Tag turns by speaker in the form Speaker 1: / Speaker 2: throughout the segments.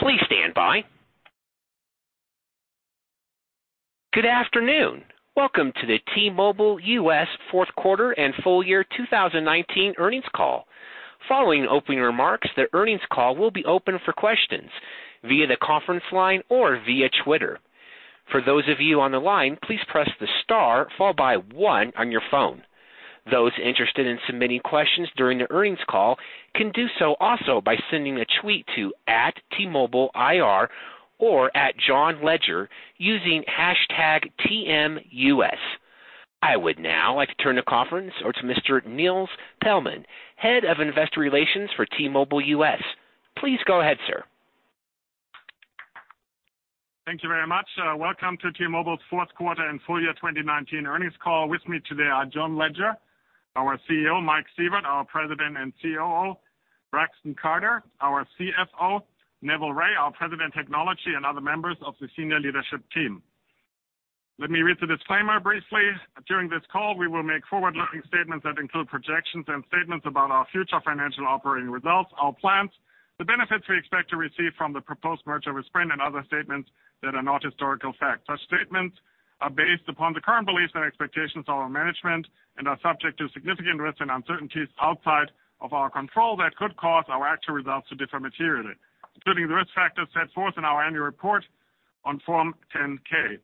Speaker 1: Please stand by. Good afternoon. Welcome to the T-Mobile US fourth quarter and full-year 2019 earnings call. Following opening remarks, the earnings call will be open for questions via the conference line or via Twitter. For those of you on the line, please press the star followed by one on your phone. Those interested in submitting questions during the earnings call can do so also by sending a tweet to @TMobileIR or @JohnLegere using #TMUS. I would now like to turn the conference over to Mr. Nils Paellmann, Head of Investor Relations for T-Mobile US. Please go ahead, sir.
Speaker 2: Thank you very much. Welcome to T-Mobile's fourth quarter and full-year 2019 earnings call. With me today are John Legere, our CEO, Mike Sievert, our President and COO, Braxton Carter, our CFO, Neville Ray, our President of Technology, and other members of the senior leadership team. Let me read the disclaimer briefly. During this call, we will make forward-looking statements that include projections and statements about our future financial operating results, our plans, the benefits we expect to receive from the proposed merger with Sprint and other statements that are not historical facts. Such statements are based upon the current beliefs and expectations of our management and are subject to significant risks and uncertainties outside of our control that could cause our actual results to differ materially, including the risk factors set forth in our Annual Report on Form 10-K.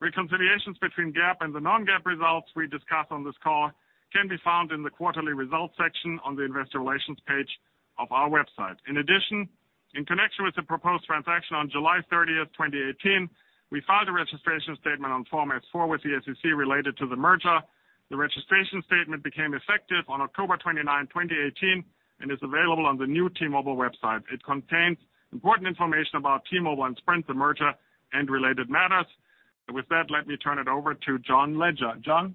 Speaker 2: Reconciliations between GAAP and the non-GAAP results we discuss on this call can be found in the quarterly results section on the investor relations page of our website. In addition, in connection with the proposed transaction on July 30th, 2018, we filed a registration statement on Form S-4 with the SEC related to the merger. The registration statement became effective on October 29, 2018, and is available on the new T-Mobile website. It contains important information about T-Mobile and Sprint, the merger, and related matters. With that, let me turn it over to John Legere. John?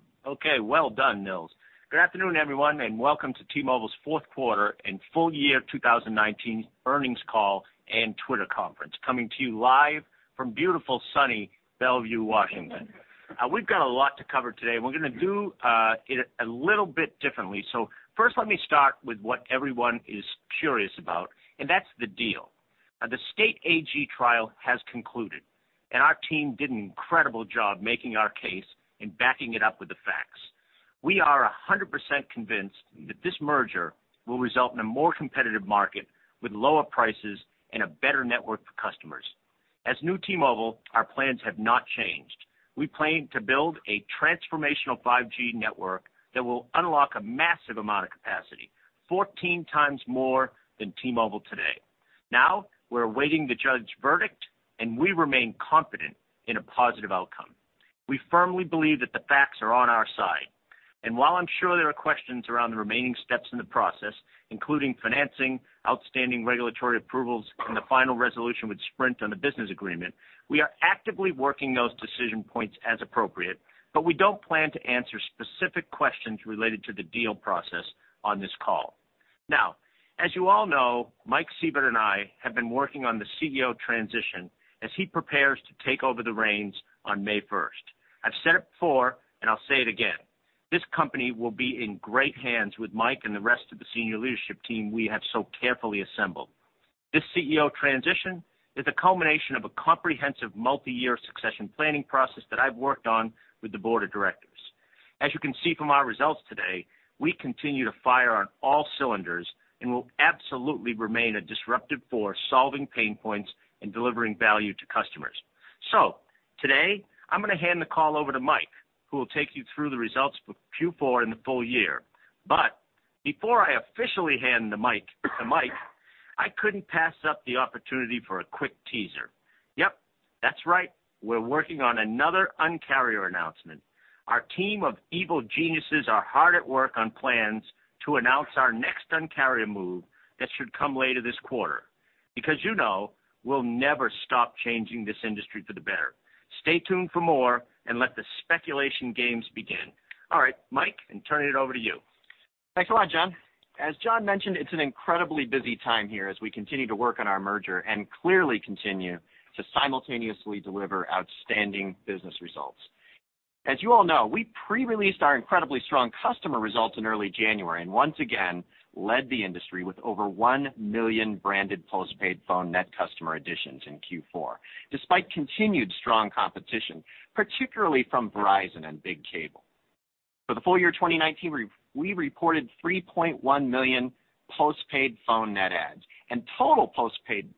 Speaker 3: Well done, Nils. Good afternoon, everyone, and welcome to T-Mobile's fourth quarter and full-year 2019 earnings call and Twitter conference, coming to you live from beautiful, sunny Bellevue, Washington. We've got a lot to cover today, and we're going to do it a little bit differently. First, let me start with what everyone is curious about, and that's the deal. The state AG trial has concluded, and our team did an incredible job making our case and backing it up with the facts. We are 100% convinced that this merger will result in a more competitive market with lower prices and a better network for customers. As New T-Mobile, our plans have not changed. We plan to build a transformational 5G network that will unlock a massive amount of capacity, 14x more than T-Mobile today. Now, we're awaiting the judge's verdict, and we remain confident in a positive outcome. We firmly believe that the facts are on our side. While I'm sure there are questions around the remaining steps in the process, including financing, outstanding regulatory approvals, and the final resolution with Sprint on the business agreement, we are actively working those decision points as appropriate. We don't plan to answer specific questions related to the deal process on this call. Now, as you all know, Mike Sievert and I have been working on the CEO transition as he prepares to take over the reins on May 1st. I've said it before, and I'll say it again, this company will be in great hands with Mike and the rest of the senior leadership team we have so carefully assembled. This CEO transition is a culmination of a comprehensive multi-year succession planning process that I've worked on with the board of directors. As you can see from our results today, we continue to fire on all cylinders and will absolutely remain a disruptive force, solving pain points and delivering value to customers. Today, I'm going to hand the call over to Mike, who will take you through the results for Q4 and the full-year. Before I officially hand the mic to Mike, I couldn't pass up the opportunity for a quick teaser. Yep, that's right. We're working on another Un-carrier announcement. Our team of evil geniuses are hard at work on plans to announce our next Un-carrier move that should come later this quarter. You know we'll never stop changing this industry for the better. Stay tuned for more and let the speculation games begin. All right, Mike, I'm turning it over to you.
Speaker 4: Thanks a lot, John. As John mentioned, it's an incredibly busy time here as we continue to work on our merger and clearly continue to simultaneously deliver outstanding business results. As you all know, we pre-released our incredibly strong customer results in early January and once again led the industry with over 1 million branded postpaid phone net customer additions in Q4, despite continued strong competition, particularly from Verizon and Big Cable. For the full-year 2019, we reported 3.1 million postpaid phone net adds and total postpaid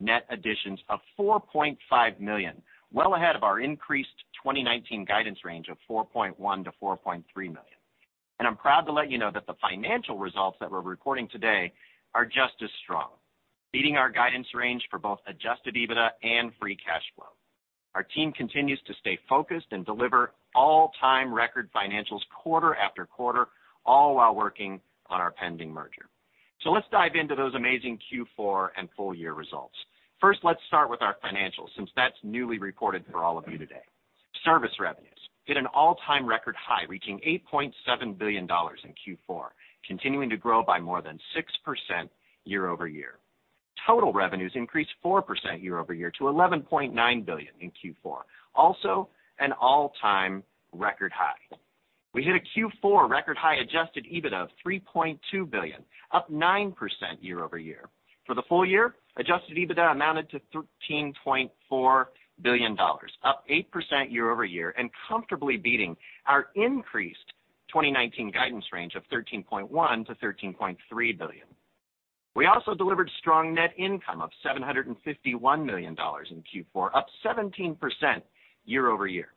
Speaker 4: net additions of 4.5 million, well ahead of our increased 2019 guidance range of 4.1 million-4.3 million. I'm proud to let you know that the financial results that we're reporting today are just as strong, beating our guidance range for both adjusted EBITDA and free cash flow. Our team continues to stay focused and deliver all-time record financials quarter after quarter, all while working on our pending merger. Let's dive into those amazing Q4 and full-year results. First, let's start with our financials, since that's newly reported for all of you today. Service revenues hit an all-time record high, reaching $8.7 billion in Q4, continuing to grow by more than 6% year-over-year. Total revenues increased 4% year-over-year to $11.9 billion in Q4. Also, an all-time record high. We hit a Q4 record high adjusted EBITDA of $3.2 billion, up 9% year-over-year. For the full year, adjusted EBITDA amounted to $13.4 billion, up 8% year-over-year, and comfortably beating our increased 2019 guidance range of $13.1 billion-$13.3 billion. We also delivered strong net income of $751 million in Q4, up 17% year-over-year.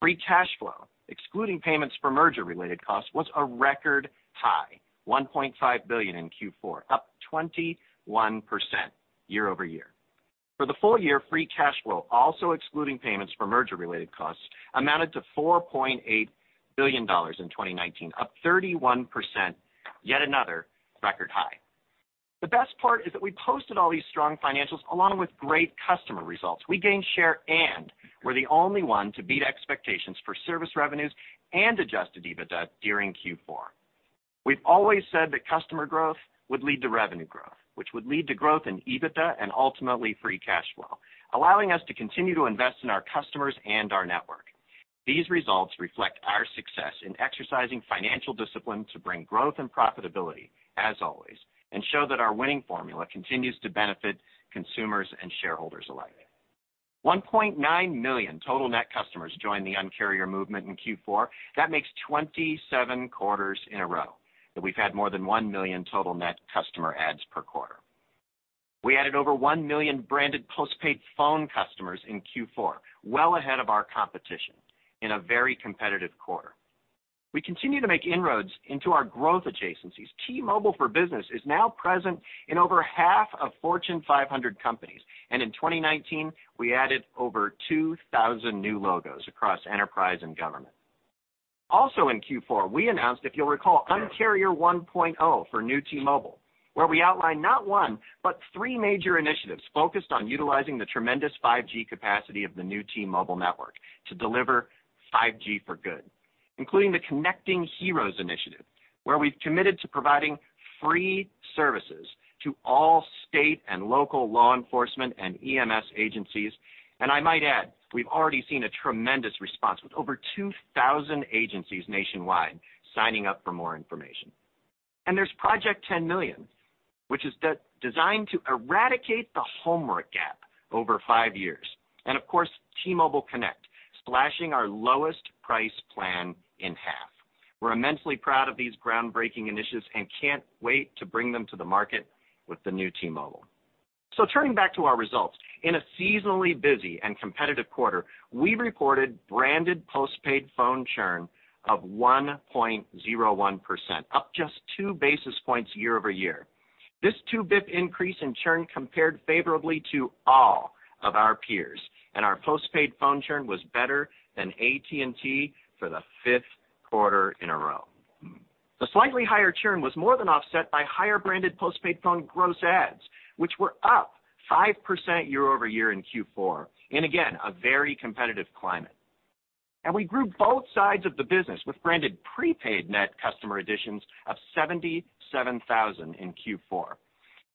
Speaker 4: Free cash flow, excluding payments for merger-related costs, was a record high $1.5 billion in Q4, up 21% year-over-year. For the full-year, free cash flow, also excluding payments for merger-related costs, amounted to $4.8 billion in 2019, up 31%, yet another record high. The best part is that we posted all these strong financials along with great customer results. We gained share, and we're the only one to beat expectations for service revenues and adjusted EBITDA during Q4. We've always said that customer growth would lead to revenue growth, which would lead to growth in EBITDA and ultimately free cash flow, allowing us to continue to invest in our customers and our network. These results reflect our success in exercising financial discipline to bring growth and profitability as always, and show that our winning formula continues to benefit consumers and shareholders alike. 1.9 million total net customers joined the Un-carrier movement in Q4. That makes 27 quarters in a row that we've had more than 1 million total net customer adds per quarter. We added over 1 million branded postpaid phone customers in Q4, well ahead of our competition in a very competitive quarter. We continue to make inroads into our growth adjacencies. T-Mobile for Business is now present in over half of Fortune 500 companies, and in 2019, we added over 2,000 new logos across enterprise and government. Also in Q4, we announced, if you'll recall, Un-carrier 1.0 for New T-Mobile, where we outlined not one but three major initiatives focused on utilizing the tremendous 5G capacity of the New T-Mobile network to deliver 5G for good, including the Connecting Heroes initiative, where we've committed to providing free services to all state and local law enforcement and EMS agencies. I might add, we've already seen a tremendous response with over 2,000 agencies nationwide signing up for more information. There's Project 10Million, which is designed to eradicate the homework gap over five years. Of course, T-Mobile Connect, slashing our lowest price plan in half. We're immensely proud of these groundbreaking initiatives and can't wait to bring them to the market with the New T-Mobile. Turning back to our results. In a seasonally busy and competitive quarter, we reported branded postpaid phone churn of 1.01%, up just two basis points year-over-year. This two basis point increase in churn compared favorably to all of our peers, and our postpaid phone churn was better than AT&T for the fifth quarter in a row. The slightly higher churn was more than offset by higher-branded postpaid phone gross adds, which were up 5% year-over-year in Q4. In again, a very competitive climate. We grew both sides of the business with branded prepaid net customer additions of 77,000 in Q4.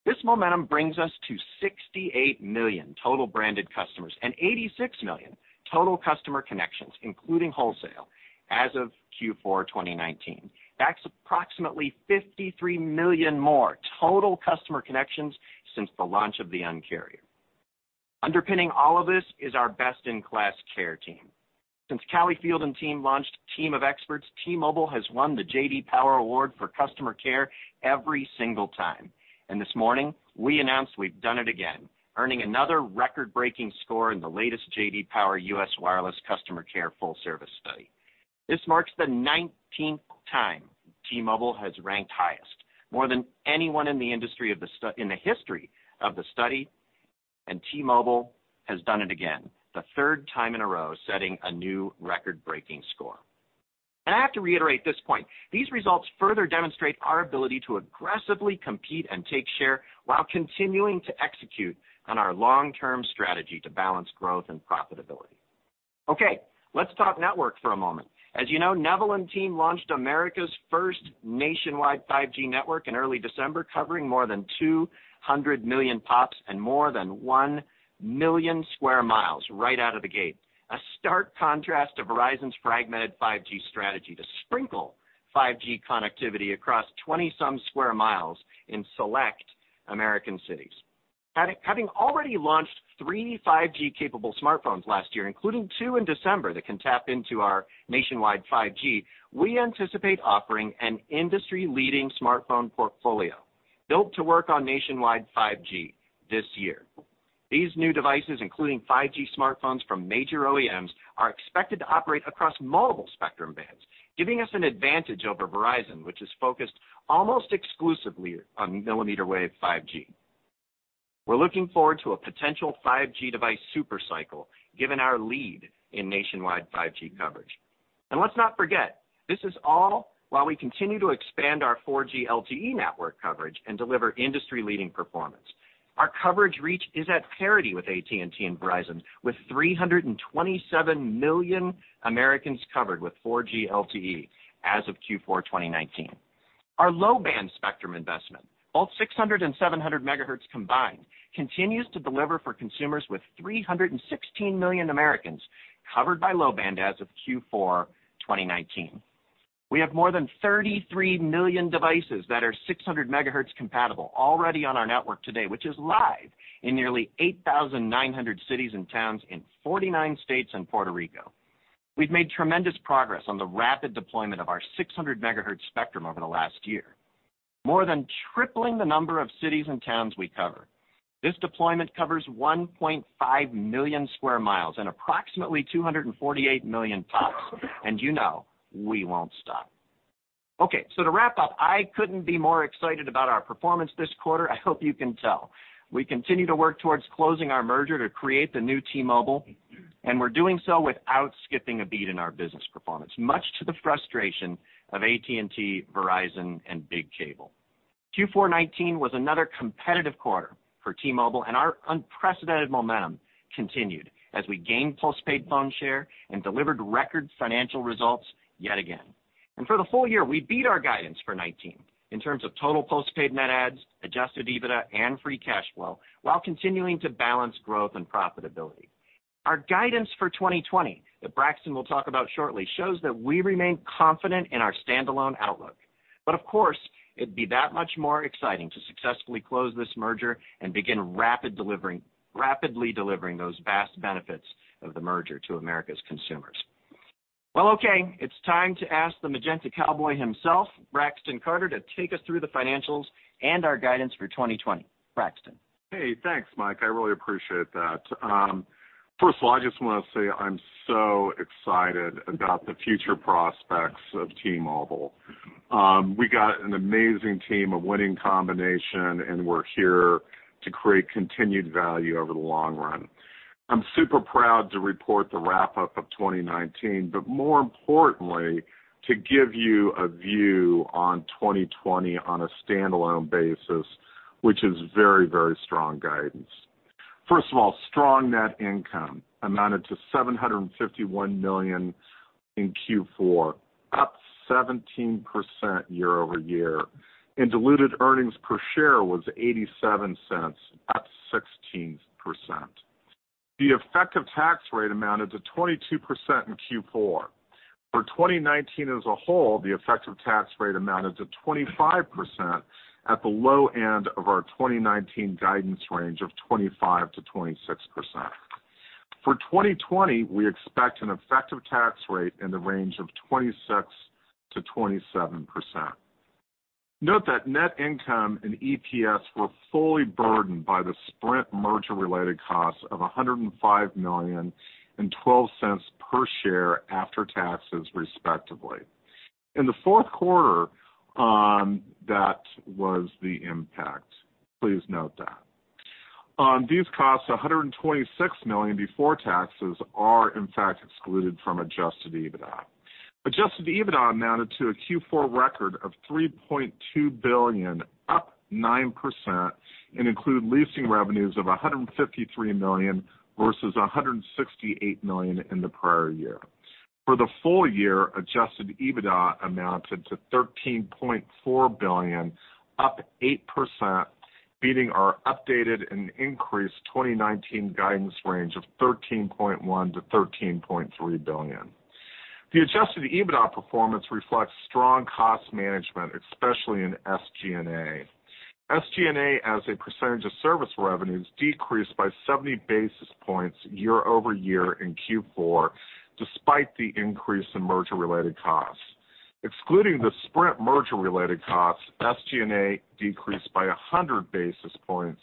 Speaker 4: This momentum brings us to 68 million total branded customers and 86 million total customer connections, including wholesale, as of Q4 2019. That's approximately 53 million more total customer connections since the launch of the Un-carrier. Underpinning all of this is our best-in-class care team. Since Callie Field and team launched Team of Experts, T-Mobile has won the J.D. Power Award for customer care every single time. This morning, we announced we've done it again, earning another record-breaking score in the latest J.D. Power U.S. Wireless Customer Care Full-Service Performance Study. This marks the 19th time T-Mobile has ranked highest, more than anyone in the history of the study, and T-Mobile has done it again, the third time in a row, setting a new record-breaking score. I have to reiterate this point. These results further demonstrate our ability to aggressively compete and take share while continuing to execute on our long-term strategy to balance growth and profitability. Okay, let's talk network for a moment. As you know, Neville and team launched America's first nationwide 5G network in early December, covering more than 200 million pops and more than 1 million sq mi right out of the gate. A stark contrast to Verizon's fragmented 5G strategy to sprinkle 5G connectivity across 20-some sq mi in select American cities. Having already launched three 5G-capable smartphones last year, including two in December that can tap into our nationwide 5G, we anticipate offering an industry-leading smartphone portfolio built to work on nationwide 5G this year. These new devices, including 5G smartphones from major OEMs, are expected to operate across multiple spectrum bands, giving us an advantage over Verizon, which is focused almost exclusively on millimeter wave 5G. We're looking forward to a potential 5G device super cycle given our lead in nationwide 5G coverage. Let's not forget, this is all while we continue to expand our 4G LTE network coverage and deliver industry-leading performance. Our coverage reach is at parity with AT&T and Verizon, with 327 million Americans covered with 4G LTE as of Q4 2019. Our low-band spectrum investment, both 600 MHz and 700 MHz combined, continues to deliver for consumers with 316 million Americans covered by low-band as of Q4 2019. We have more than 33 million devices that are 600 MHz compatible already on our network today, which is live in nearly 8,900 cities and towns in 49 states and Puerto Rico. We've made tremendous progress on the rapid deployment of our 600 MHz spectrum over the last year, more than tripling the number of cities and towns we cover. This deployment covers 1.5 million square miles and approximately 248 million pops. You know we won't stop. Okay, to wrap up, I couldn't be more excited about our performance this quarter. I hope you can tell. We continue to work towards closing our merger to create the New T-Mobile, we're doing so without skipping a beat in our business performance, much to the frustration of AT&T, Verizon, and Big Cable. Q4 2019 was another competitive quarter for T-Mobile, our unprecedented momentum continued as we gained postpaid phone share and delivered record financial results yet again. For the whole year, we beat our guidance for 2019 in terms of total postpaid net adds, adjusted EBITDA, and free cash flow while continuing to balance growth and profitability. Our guidance for 2020 that Braxton will talk about shortly shows that we remain confident in our standalone outlook. Of course, it'd be that much more exciting to successfully close this merger and begin rapidly delivering those vast benefits of the merger to America's consumers. Well, okay. It's time to ask the Magenta Cowboy himself, Braxton Carter, to take us through the financials and our guidance for 2020. Braxton?
Speaker 5: Hey, thanks, Mike. I really appreciate that. First of all, I just want to say I'm so excited about the future prospects of T-Mobile. We got an amazing team, a winning combination, and we're here to create continued value over the long run. I'm super proud to report the wrap-up of 2019, but more importantly, to give you a view on 2020 on a standalone basis, which is very, very strong guidance. First of all, strong net income amounted to $751 million in Q4, up 17% year-over-year, and diluted earnings per share was $0.87, up 16%. The effective tax rate amounted to 22% in Q4. For 2019 as a whole, the effective tax rate amounted to 25% at the low end of our 2019 guidance range of 25%-26%. For 2020, we expect an effective tax rate in the range of 26%-27%. Note that net income and EPS were fully burdened by the Sprint merger-related costs of $105 million and $0.12 per share after taxes, respectively. In the fourth quarter, that was the impact. Please note that. These costs, $126 million before taxes, are in fact excluded from adjusted EBITDA. Adjusted EBITDA amounted to a Q4 record of $3.2 billion, up 9%, and include leasing revenues of $153 million versus $168 million in the prior year. For the full-year, adjusted EBITDA amounted to $13.4 billion, up 8%, beating our updated and increased 2019 guidance range of $13.1 billion-$13.3 billion. The adjusted EBITDA performance reflects strong cost management, especially in SG&A. SG&A as a percentage of service revenues decreased by 70 basis points year-over-year in Q4, despite the increase in merger-related costs. Excluding the Sprint merger-related costs, SG&A decreased by 100 basis points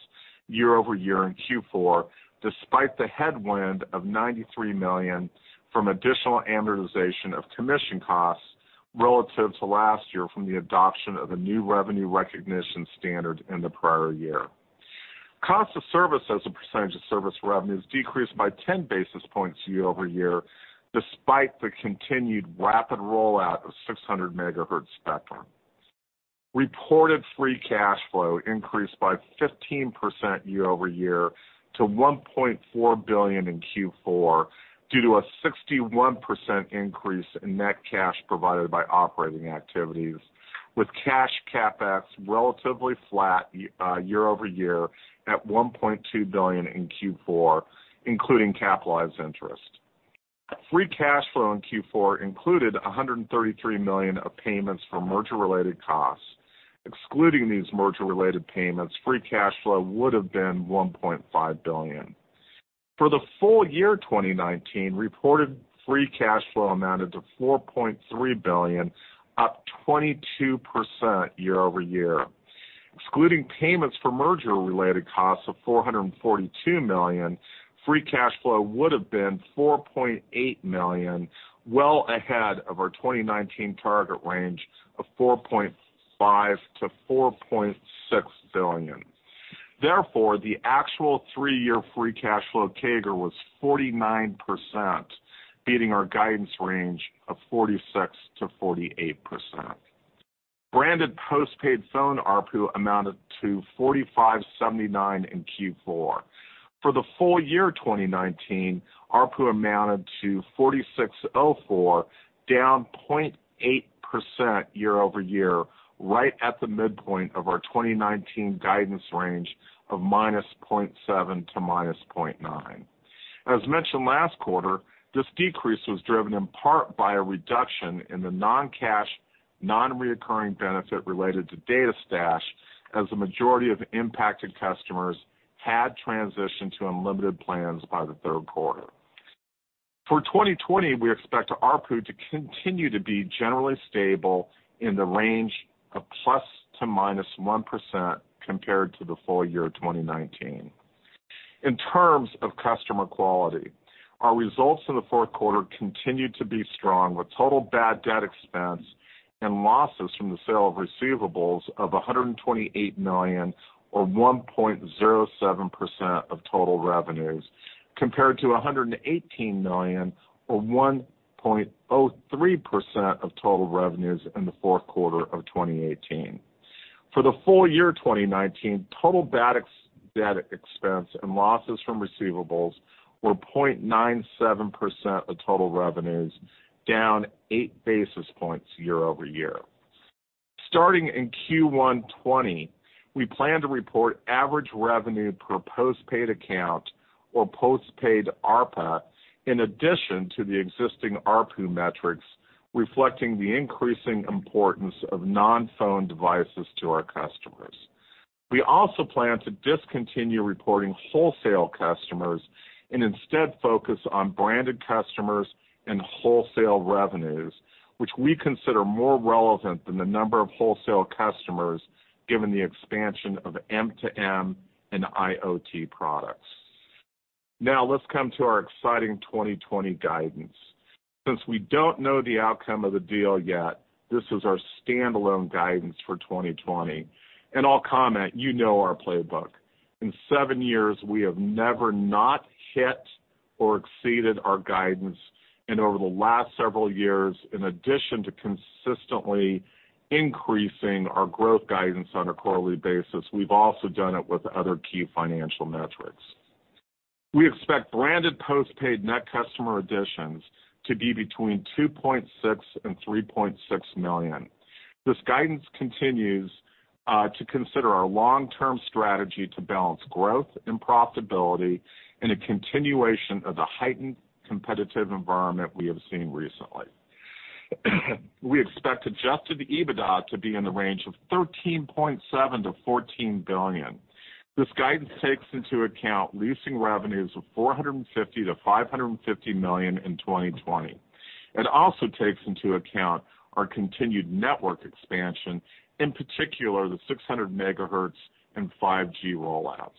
Speaker 5: year-over-year in Q4, despite the headwind of $93 million from additional amortization of commission costs relative to last year from the adoption of a new revenue recognition standard in the prior year. Cost of service as a percentage of service revenues decreased by 10 basis points year-over-year, despite the continued rapid rollout of 600 MHz spectrum. Reported free cash flow increased by 15% year-over-year to $1.4 billion in Q4 due to a 61% increase in net cash provided by operating activities, with cash CapEx relatively flat year-over-year at $1.2 billion in Q4, including capitalized interest. Free cash flow in Q4 included $133 million of payments for merger-related costs. Excluding these merger-related payments, free cash flow would have been $1.5 billion. For the full-year 2019, reported free cash flow amounted to $4.3 billion, up 22% year-over-year. Excluding payments for merger-related costs of $442 million, free cash flow would have been $4.8 billion, well ahead of our 2019 target range of $4.5 billion-$4.6 billion. Therefore, the actual three-year free cash flow CAGR was 49%, beating our guidance range of 46%-48%. Branded postpaid phone ARPU amounted to $45.79 in Q4. For the full-year 2019, ARPU amounted to $46.04, down 0.8% year-over-year, right at the midpoint of our 2019 guidance range of -0.7% to -0.9%. As mentioned last quarter, this decrease was driven in part by a reduction in the non-cash, non-reoccurring benefit related to Data Stash, as the majority of impacted customers had transitioned to unlimited plans by the third quarter. For 2020, we expect ARPU to continue to be generally stable in the range of plus to -1% compared to the full-year 2019. In terms of customer quality, our results for the fourth quarter continued to be strong, with total bad debt expense and losses from the sale of receivables of $128 million, or 1.07% of total revenues, compared to $118 million, or 1.03% of total revenues in the fourth quarter of 2018. For the full-year 2019, total bad debt expense and losses from receivables were 0.97% of total revenues, down eight basis points year-over-year. Starting in Q1 2020, we plan to report average revenue per postpaid account, or postpaid ARPA, in addition to the existing ARPU metrics, reflecting the increasing importance of non-phone devices to our customers. We also plan to discontinue reporting wholesale customers and instead focus on branded customers and wholesale revenues, which we consider more relevant than the number of wholesale customers, given the expansion of M2M and IoT products. Now, let's come to our exciting 2020 guidance. Since we don't know the outcome of the deal yet, this is our standalone guidance for 2020. I'll comment, you know our playbook. In seven years, we have never not hit or exceeded our guidance. Over the last several years, in addition to consistently increasing our growth guidance on a quarterly basis, we've also done it with other key financial metrics. We expect branded postpaid net customer additions to be between 2.6 million and 3.6 million. This guidance continues to consider our long-term strategy to balance growth and profitability in a continuation of the heightened competitive environment we have seen recently. We expect adjusted EBITDA to be in the range of $13.7 billion-$14 billion. This guidance takes into account leasing revenues of $450 million-$550 million in 2020. It also takes into account our continued network expansion, in particular, the 600 MHz and 5G roll-outs.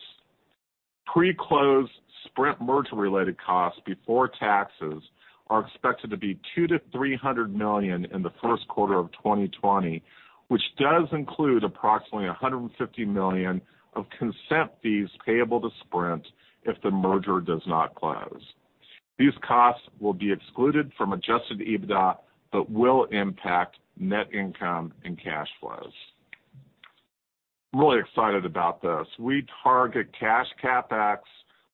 Speaker 5: Pre-close Sprint merger-related costs before taxes are expected to be $200 million-$300 million in the first quarter of 2020, which does include approximately $150 million of consent fees payable to Sprint if the merger does not close. These costs will be excluded from adjusted EBITDA but will impact net income and cash flows. I'm really excited about this. We target cash CapEx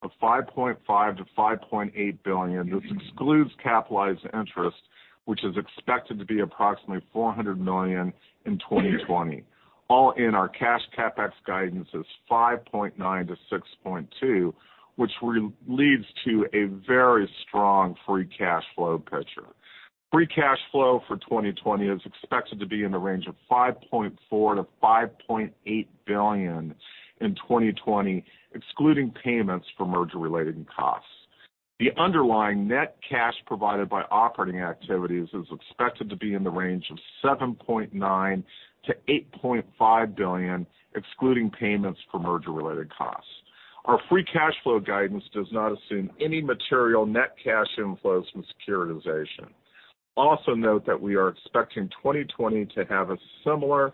Speaker 5: of $5.5 billion-$5.8 billion. This excludes capitalized interest, which is expected to be approximately $400 million in 2020. All in, our cash CapEx guidance is $5.9 billion-$6.2 billion, which leads to a very strong free cash flow picture. Free cash flow for 2020 is expected to be in the range of $5.4 billion-$5.8 billion in 2020, excluding payments for merger-related costs. The underlying net cash provided by operating activities is expected to be in the range of $7.9 billion-$8.5 billion, excluding payments for merger-related costs. Our free cash flow guidance does not assume any material net cash inflows from securitization. Note that we are expecting 2020 to have a similar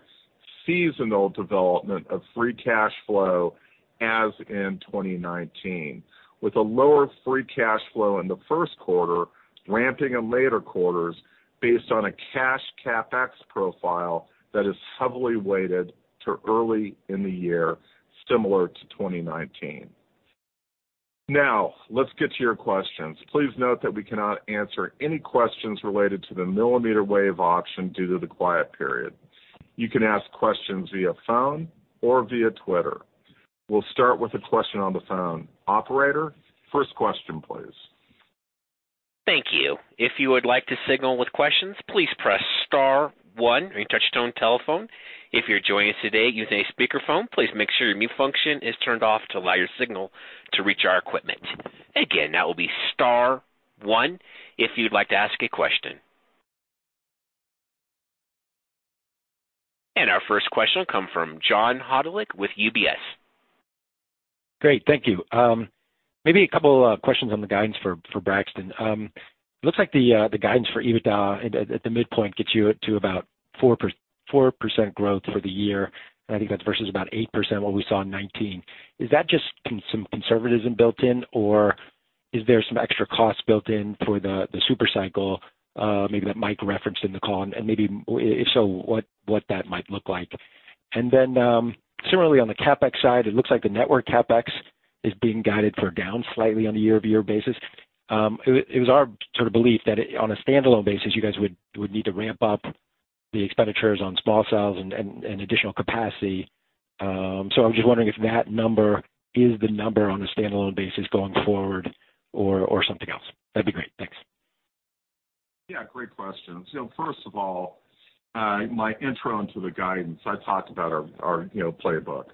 Speaker 5: seasonal development of free cash flow as in 2019, with a lower free cash flow in the first quarter, ramping in later quarters based on a cash CapEx profile that is heavily weighted to early in the year, similar to 2019. Let's get to your questions. Please note that we cannot answer any questions related to the millimeter wave auction due to the quiet period. You can ask questions via phone or via Twitter. We'll start with a question on the phone. Operator, first question please.
Speaker 1: Thank you. If you would like to signal with questions, please press star one on your touch tone telephone. If you're joining us today using a speakerphone, please make sure your mute function is turned off to allow your signal to reach our equipment. Again, that will be star one if you'd like to ask a question. Our first question will come from John Hodulik with UBS.
Speaker 6: Great. Thank you. Maybe a couple of questions on the guidance for Braxton. It looks like the guidance for EBITDA at the midpoint gets you to about 4% growth for the year, and I think that's versus about 8% what we saw in 2019. Is that just some conservatism built in, or is there some extra cost built in for the super cycle maybe that Mike referenced in the call? Maybe if so, what that might look like? Similarly, on the CapEx side, it looks like the network CapEx is being guided for down slightly on a year-over-year basis. It was our sort of belief that on a standalone basis, you guys would need to ramp up the expenditures on small cells and additional capacity. I'm just wondering if that number is the number on a standalone basis going forward or something else. That'd be great. Thanks.
Speaker 5: Yeah, great questions. First of all, my intro into the guidance, I talked about our playbook.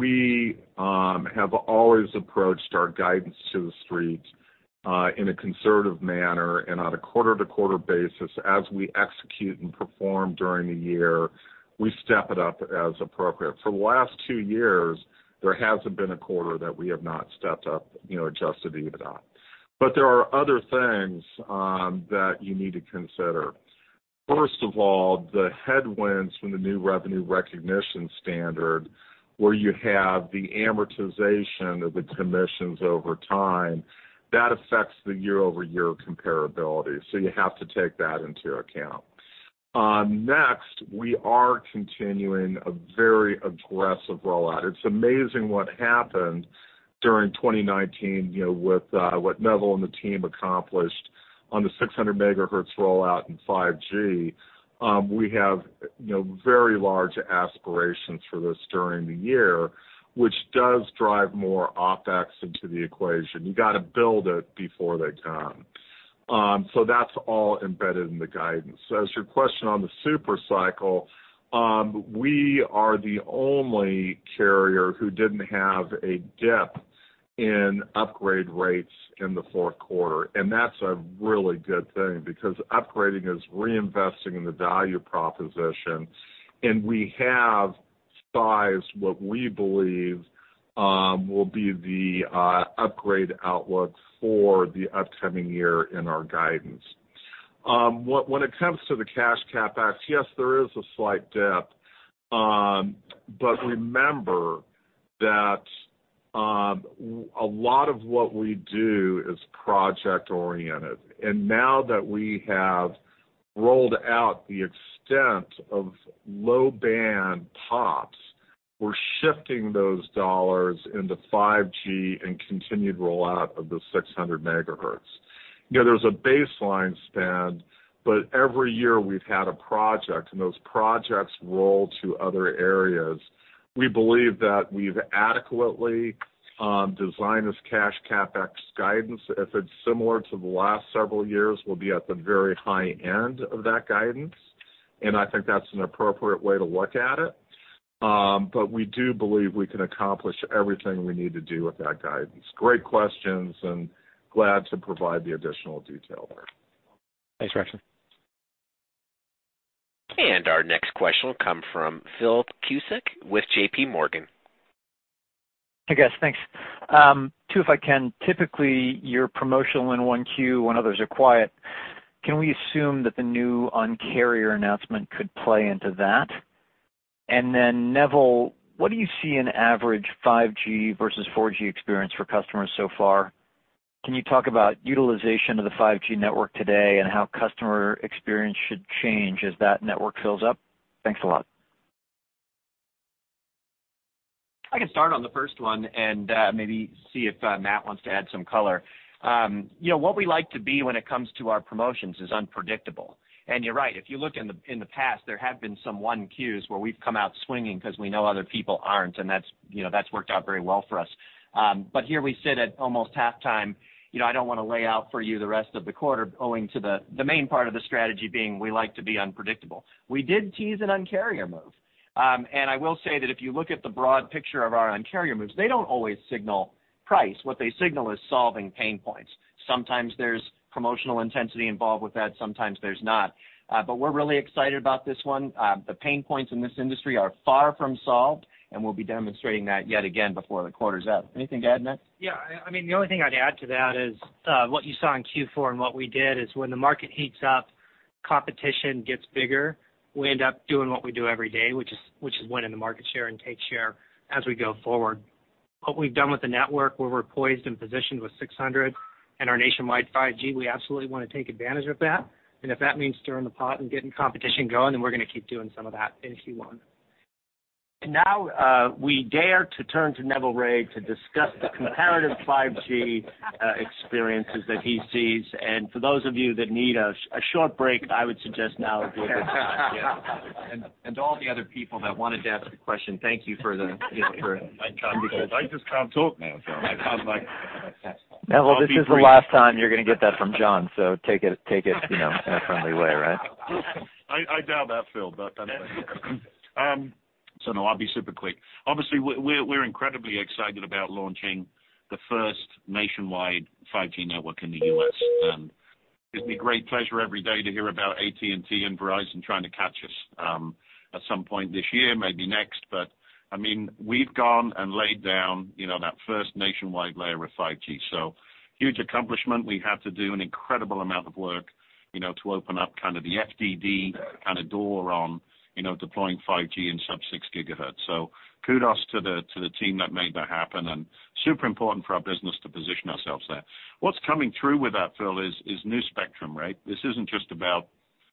Speaker 5: We have always approached our guidance to the street in a conservative manner and on a quarter-to-quarter basis as we execute and perform during the year, we step it up as appropriate. For the last two years, there hasn't been a quarter that we have not stepped up, adjusted EBITDA. There are other things that you need to consider. First of all, the headwinds from the new revenue recognition standard, where you have the amortization of the commissions over time, that affects the year-over-year comparability. You have to take that into account. Next, we are continuing a very aggressive rollout. It's amazing what happened during 2019, with what Neville and the team accomplished on the 600 MHz rollout in 5G. We have very large aspirations for this during the year, which does drive more OpEx into the equation. You got to build it before they come. That's all embedded in the guidance. As your question on the super cycle, we are the only carrier who didn't have a dip in upgrade rates in the fourth quarter, and that's a really good thing because upgrading is reinvesting in the value proposition, and we have sized what we believe will be the upgrade outlook for the upcoming year in our guidance. When it comes to the cash CapEx, yes, there is a slight dip. Remember that a lot of what we do is project-oriented, and now that we have rolled out the extent of low-band POPs, we're shifting those dollars into 5G and continued rollout of the 600 MHz. There's a baseline spend. Every year we've had a project. Those projects roll to other areas. We believe that we've adequately designed this cash CapEx guidance. If it's similar to the last several years, we'll be at the very high end of that guidance. I think that's an appropriate way to look at it. We do believe we can accomplish everything we need to do with that guidance. Great questions. Glad to provide the additional detail there.
Speaker 6: Thanks, Brax.
Speaker 1: Our next question will come from Phil Cusick with JPMorgan.
Speaker 7: Hi, guys. Thanks. Two, if I can. Typically, you're promotional in 1Q when others are quiet. Can we assume that the new Un-carrier announcement could play into that? Neville, what do you see in average 5G versus 4G experience for customers so far? Can you talk about utilization of the 5G network today and how customer experience should change as that network fills up? Thanks a lot.
Speaker 4: I can start on the first one and maybe see if Matt wants to add some color. What we like to be when it comes to our promotions is unpredictable. You're right. If you look in the past, there have been some one Qs where we've come out swinging because we know other people aren't, and that's worked out very well for us. Here we sit at almost halftime. I don't want to lay out for you the rest of the quarter owing to the main part of the strategy being we like to be unpredictable. We did tease an Un-carrier move. I will say that if you look at the broad picture of our Un-carrier moves, they don't always signal price. What they signal is solving pain points. Sometimes there's promotional intensity involved with that, sometimes there's not. We're really excited about this one. The pain points in this industry are far from solved, we'll be demonstrating that yet again before the quarter's up. Anything to add, Matt?
Speaker 8: Yeah. The only thing I'd add to that is, what you saw in Q4 and what we did is when the market heats up, competition gets bigger. We end up doing what we do every day, which is winning the market share and take share as we go forward. What we've done with the network, where we're poised and positioned with 600 MHz and our nationwide 5G, we absolutely want to take advantage of that. If that means stirring the pot and getting competition going, then we're going to keep doing some of that in Q1. Now, we dare to turn to Neville Ray to discuss the comparative 5G experiences that he sees and for those of you that need a short break, I would suggest now would be a good time. Yes.
Speaker 3: To all the other people that wanted to ask a question, thank you for the.
Speaker 9: I can't because I just can't talk now, Phil.
Speaker 7: Neville, this is the last time you're going to get that from John, so take it in a friendly way, right?
Speaker 9: I doubt that, Phil. Anyway. No, I'll be super quick. Obviously, we're incredibly excited about launching the first nationwide 5G network in the U.S. It's been a great pleasure every day to hear about AT&T and Verizon trying to catch us, at some point this year, maybe next. We've gone and laid down that first nationwide layer of 5G. Huge accomplishment. We had to do an incredible amount of work to open up kind of the FDD kind of door on deploying 5G in sub-6 GHz. Kudos to the team that made that happen. Super important for our business to position ourselves there. What's coming through with that, Phil, is new spectrum, right? This isn't just about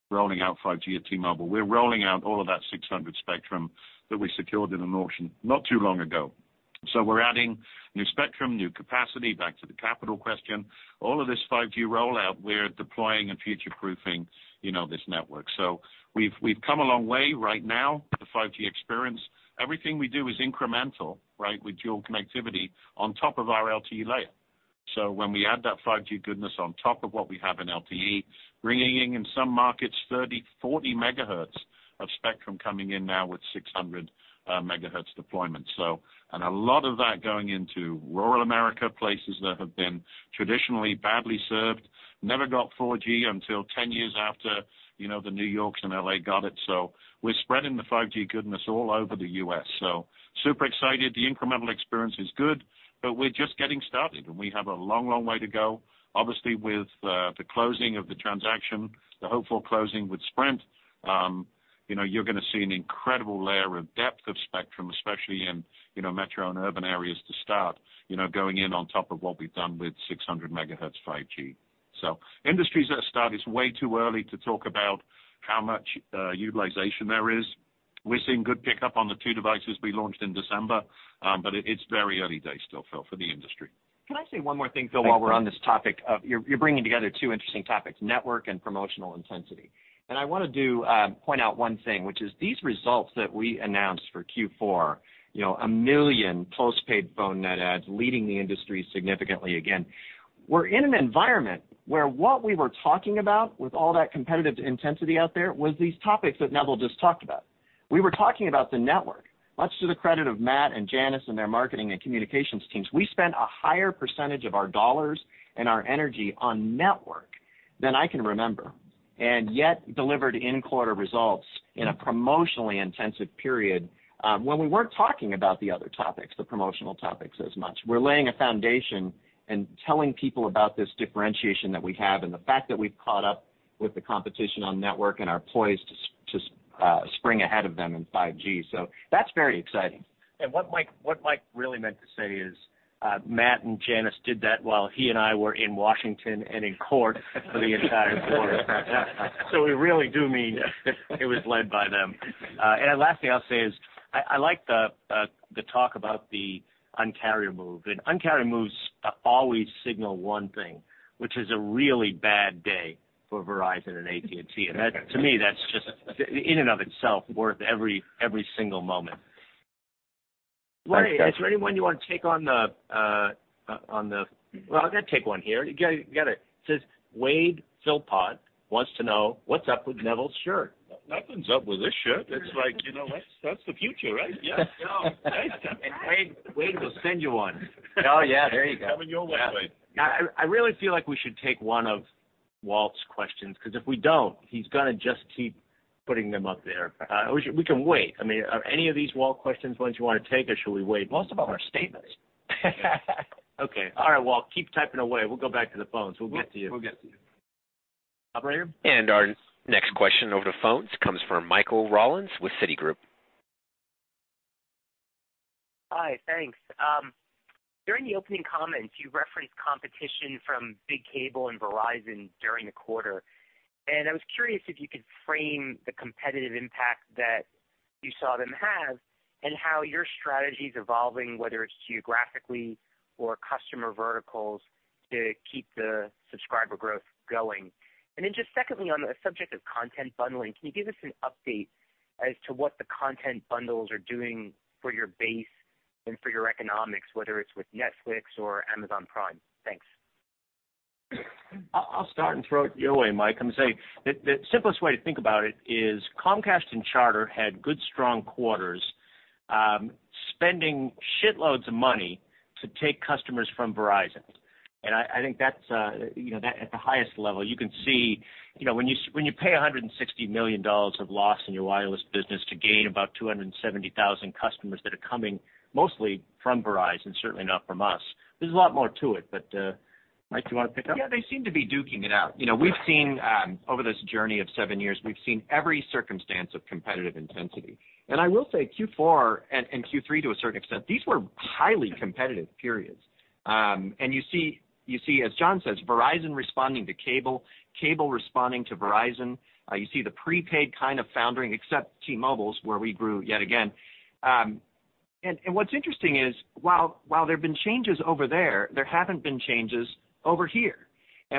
Speaker 9: rolling out 5G at T-Mobile. We're rolling out all of that 600 spectrum that we secured in an auction not too long ago. We're adding new spectrum, new capacity, back to the capital question. All of this 5G rollout, we're deploying and future-proofing this network. We've come a long way right now with the 5G experience. Everything we do is incremental, with dual connectivity on top of our LTE layer. When we add that 5G goodness on top of what we have in LTE, bringing in some markets 30 MHz, 40 MHz of spectrum coming in now with 600 MHz deployment. A lot of that going into rural America, places that have been traditionally badly served, never got 4G until 10 years after the New Yorks and L.A. got it. We're spreading the 5G goodness all over the U.S. Super excited. The incremental experience is good, but we're just getting started, and we have a long way to go. Obviously, with the closing of the transaction, the hopeful closing with Sprint, you're going to see an incredible layer of depth of spectrum, especially in metro and urban areas to start, going in on top of what we've done with 600 MHz 5G. Industries that start, it's way too early to talk about how much utilization there is. We're seeing good pickup on the two devices we launched in December, but it's very early days still, Phil, for the industry.
Speaker 4: Can I say one more thing, Phil?
Speaker 7: Thanks, Mike.
Speaker 4: You're bringing together two interesting topics, network and promotional intensity. I want to point out one thing, which is these results that we announced for Q4, 1 million postpaid phone net adds, leading the industry significantly again. We're in an environment where what we were talking about with all that competitive intensity out there was these topics that Neville just talked about. We were talking about the network. Much to the credit of Matt and Janice and their marketing and communications teams, we spent a higher percentage of our dollars and our energy on network than I can remember, yet delivered in-quarter results in a promotionally intensive period, when we weren't talking about the other topics, the promotional topics as much. We're laying a foundation and telling people about this differentiation that we have, and the fact that we've caught up with the competition on network and are poised to spring ahead of them in 5G. That's very exciting.
Speaker 3: What Mike really meant to say is, Matt and Janice did that while he and I were in Washington and in court for the entire quarter. We really do mean it was led by them. Last thing I'll say is, I like the talk about the Un-carrier move. Un-carrier moves always signal one thing, which is a really bad day for Verizon and AT&T. That, to me, that's just in and of itself worth every single moment.
Speaker 7: Thanks, guys.
Speaker 3: Is there anyone you want to take on the Well, I'll take one here. It says, Wade Philpot wants to know what's up with Neville's shirt.
Speaker 9: Nothing's up with this shirt. It's like, that's the future, right? Yeah. Nice.
Speaker 3: Wade, we'll send you one. Oh, yeah, there you go.
Speaker 9: Coming your way, Wade.
Speaker 3: I really feel like we should take one of Walter's questions, because if we don't, he's going to just keep putting them up there. We can wait. I mean, are any of these Walt questions ones you want to take, or should we wait?
Speaker 4: Most of them are statements.
Speaker 3: Okay. All right, Walt, keep typing away. We'll go back to the phones. We'll get to you.
Speaker 4: We'll get to you.
Speaker 3: Operator?
Speaker 1: Our next question over the phones comes from Michael Rollins with Citigroup.
Speaker 10: Hi. Thanks. During the opening comments, you referenced competition from Big Cable and Verizon during the quarter. I was curious if you could frame the competitive impact that you saw them have and how your strategy's evolving, whether it's geographically or customer verticals to keep the subscriber growth going. Just secondly, on the subject of content bundling, can you give us an update as to what the content bundles are doing for your base and for your economics, whether it's with Netflix or Amazon Prime? Thanks.
Speaker 3: I'll start and throw it your way, Mike. I'm saying, the simplest way to think about it is Comcast and Charter had good, strong quarters, spending shitloads of money to take customers from Verizon. I think that at the highest level, you can see when you pay $160 million of loss in your wireless business to gain about 270,000 customers that are coming mostly from Verizon, certainly not from us, there's a lot more to it. Mike, do you want to pick up?
Speaker 4: Yeah, they seem to be duking it out. We've seen, over this journey of seven years, we've seen every circumstance of competitive intensity. I will say Q4, and Q3 to a certain extent, these were highly competitive periods. You see, as John says, Verizon responding to cable responding to Verizon. You see the prepaid kind of foundering, except T-Mobile's, where we grew yet again. What's interesting is, while there have been changes over there haven't been changes over here.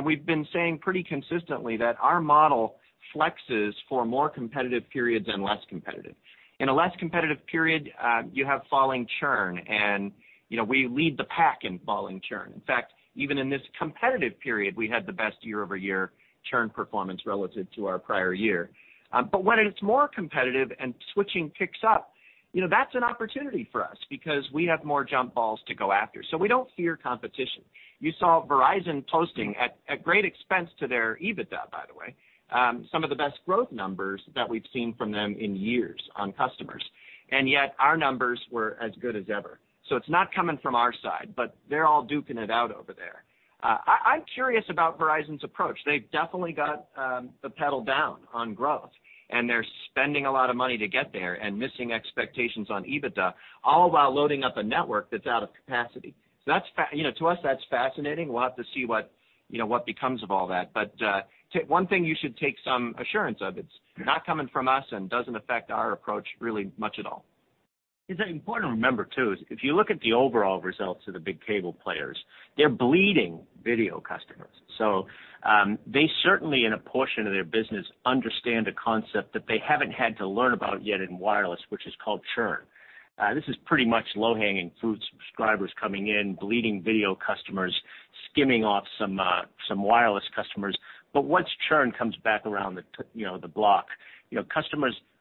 Speaker 4: We've been saying pretty consistently that our model flexes for more competitive periods and less competitive. In a less competitive period, you have falling churn, and we lead the pack in falling churn. In fact, even in this competitive period, we had the best year-over-year churn performance relative to our prior year. When it's more competitive and switching picks up, that's an opportunity for us because we have more jump balls to go after. We don't fear competition. You saw Verizon posting at great expense to their EBITDA, by the way, some of the best growth numbers that we've seen from them in years on customers. Yet our numbers were as good as ever. It's not coming from our side, but they're all duking it out over there. I'm curious about Verizon's approach. They've definitely got the pedal down on growth, and they're spending a lot of money to get there and missing expectations on EBITDA, all while loading up a network that's out of capacity. To us, that's fascinating. We'll have to see what becomes of all that. One thing you should take some assurance of, it's not coming from us and doesn't affect our approach really much at all.
Speaker 3: It's important to remember, too, is if you look at the overall results of the Big Cable players, they're bleeding video customers. They certainly, in a portion of their business, understand a concept that they haven't had to learn about yet in wireless, which is called churn. This is pretty much low-hanging fruit, subscribers coming in, bleeding video customers, skimming off some wireless customers. Once churn comes back around the block,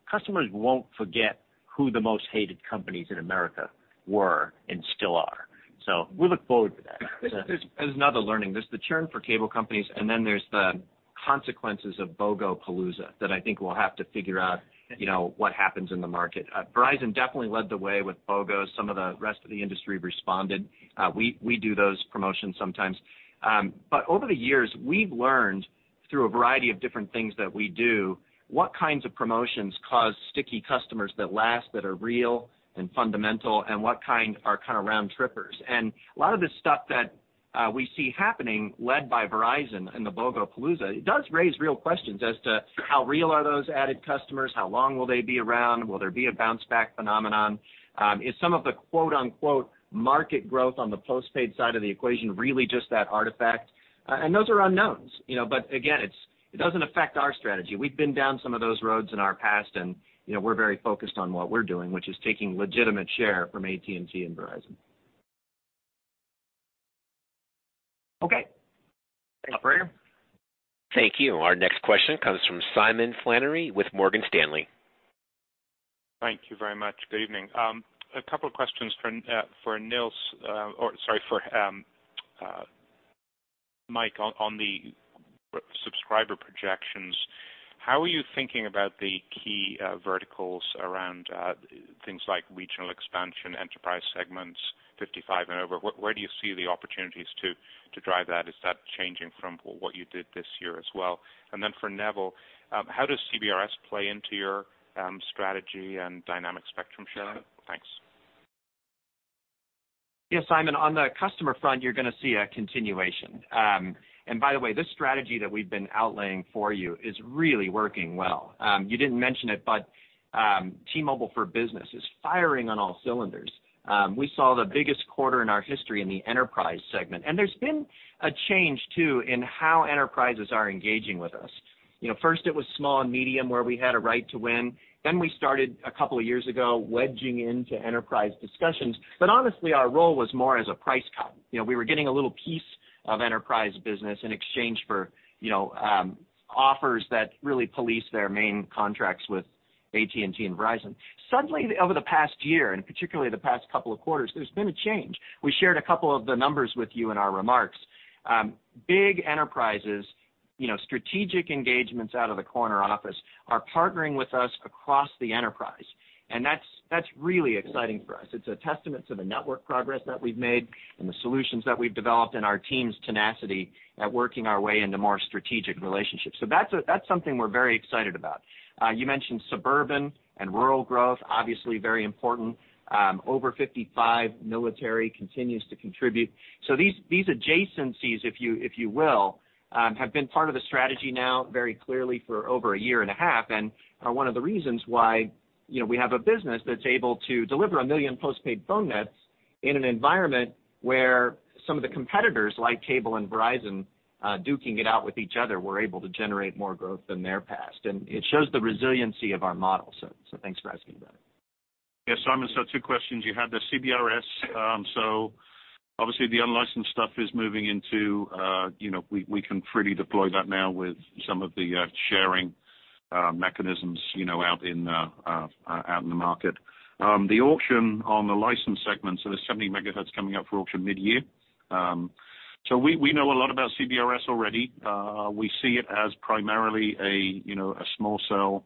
Speaker 3: customers won't forget who the most hated companies in America were and still are. We look forward to that.
Speaker 4: There's another learning. There's the churn for cable companies, and then there's the consequences of BOGO Palooza that I think we'll have to figure out, what happens in the market. Verizon definitely led the way with BOGO. Some of the rest of the industry responded. We do those promotions sometimes. Over the years, we've learned, through a variety of different things that we do, what kinds of promotions cause sticky customers that last, that are real and fundamental, and what kind are kind of round trippers. A lot of the stuff that we see happening, led by Verizon in the BOGO Palooza, it does raise real questions as to how real are those added customers, how long will they be around? Will there be a bounce back phenomenon? Is some of the quote-unquote, market growth on the postpaid side of the equation really just that artifact? Those are unknowns. Again, it doesn't affect our strategy. We've been down some of those roads in our past, and we're very focused on what we're doing, which is taking legitimate share from AT&T and Verizon.
Speaker 10: Okay. Thanks.
Speaker 3: Operator.
Speaker 1: Thank you. Our next question comes from Simon Flannery with Morgan Stanley.
Speaker 11: Thank you very much. Good evening. A couple of questions for Mike on the subscriber projections. How are you thinking about the key verticals around things like regional expansion, enterprise segments 55 and over? Where do you see the opportunities to drive that? Is that changing from what you did this year as well? For Neville, how does CBRS play into your strategy and dynamic spectrum sharing? Thanks.
Speaker 4: Yeah, Simon, on the customer front, you're going to see a continuation. By the way, this strategy that we've been outlaying for you is really working well. You didn't mention it, but T-Mobile for Business is firing on all cylinders. We saw the biggest quarter in our history in the enterprise segment, and there's been a change, too, in how enterprises are engaging with us. First it was small and medium, where we had a right to win. We started a couple of years ago wedging into enterprise discussions. Honestly, our role was more as a price cut. We were getting a little piece of enterprise business in exchange for offers that really police their main contracts with AT&T and Verizon. Suddenly, over the past year, and particularly the past couple of quarters, there's been a change. We shared a couple of the numbers with you in our remarks. Big enterprises, strategic engagements out of the corner office are partnering with us across the enterprise. That's really exciting for us. It's a testament to the network progress that we've made and the solutions that we've developed and our team's tenacity at working our way into more strategic relationships. That's something we're very excited about. You mentioned suburban and rural growth, obviously very important. Over 55 military continues to contribute. These adjacencies, if you will, have been part of the strategy now very clearly for over a year and a half and are one of the reasons why we have a business that's able to deliver 1 million postpaid phone nets in an environment where some of the competitors, like Cable and Verizon, duking it out with each other, were able to generate more growth than their past. It shows the resiliency of our model. Thanks for asking about it.
Speaker 9: Yeah, Simon. Two questions. You had the CBRS. Obviously the unlicensed stuff, we can freely deploy that now with some of the sharing mechanisms out in the market. The auction on the licensed segments, there's 70 MHz coming up for auction mid-year. We know a lot about CBRS already. We see it as primarily a small cell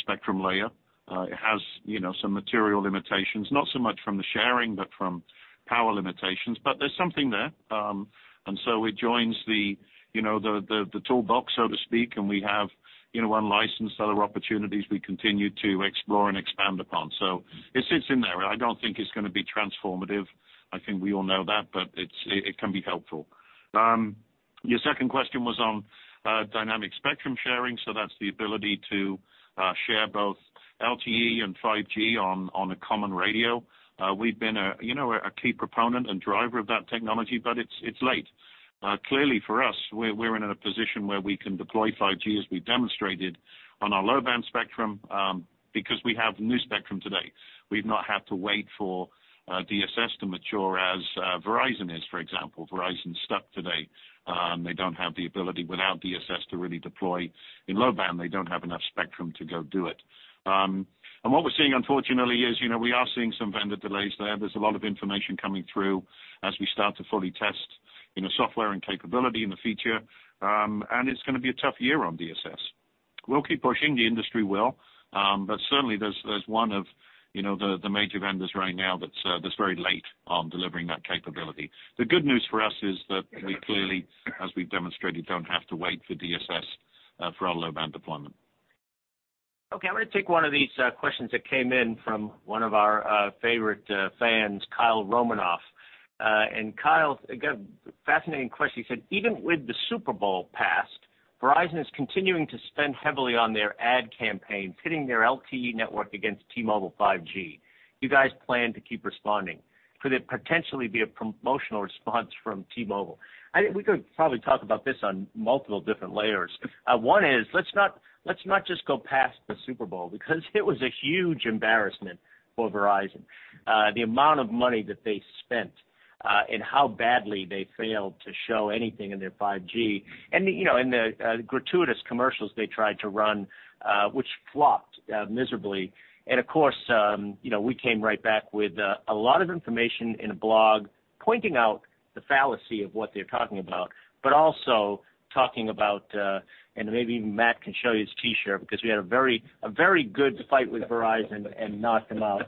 Speaker 9: spectrum layer. It has some material limitations, not so much from the sharing but from power limitations. There's something there. It joins the toolbox, so to speak, and we have unlicensed other opportunities we continue to explore and expand upon. It sits in there. I don't think it's going to be transformative. I think we all know that. It can be helpful. Your second question was on dynamic spectrum sharing. That's the ability to share both LTE and 5G on a common radio. We've been a key proponent and driver of that technology, but it's late. Clearly for us, we're in a position where we can deploy 5G, as we demonstrated on our low-band spectrum because we have new spectrum today. We've not had to wait for DSS to mature as Verizon is, for example. Verizon's stuck today. They don't have the ability without DSS to really deploy in low band. They don't have enough spectrum to go do it. What we're seeing, unfortunately, is we are seeing some vendor delays there. There's a lot of information coming through as we start to fully test in a software and capability in the future. It's going to be a tough year on DSS. We'll keep pushing, the industry will. Certainly, there's one of the major vendors right now that's very late on delivering that capability. The good news for us is that we clearly, as we've demonstrated, don't have to wait for DSS for our low-band deployment.
Speaker 3: Okay, I'm going to take one of these questions that came in from one of our favorite fans, Kyle Romanoff. Kyle, again, fascinating question. He said, Even with the Super Bowl past, Verizon is continuing to spend heavily on their ad campaigns, pitting their LTE network against T-Mobile 5G. Do you guys plan to keep responding? Could there potentially be a promotional response from T-Mobile? I think we could probably talk about this on multiple different layers. One is, let's not just go past the Super Bowl, because it was a huge embarrassment for Verizon. The amount of money that they spent, and how badly they failed to show anything in their 5G. The gratuitous commercials they tried to run, which flopped miserably. Of course, we came right back with a lot of information in a blog pointing out the fallacy of what they're talking about, but also talking about. Maybe Matt can show you his T-shirt, because we had a very good fight with Verizon and knocked them out.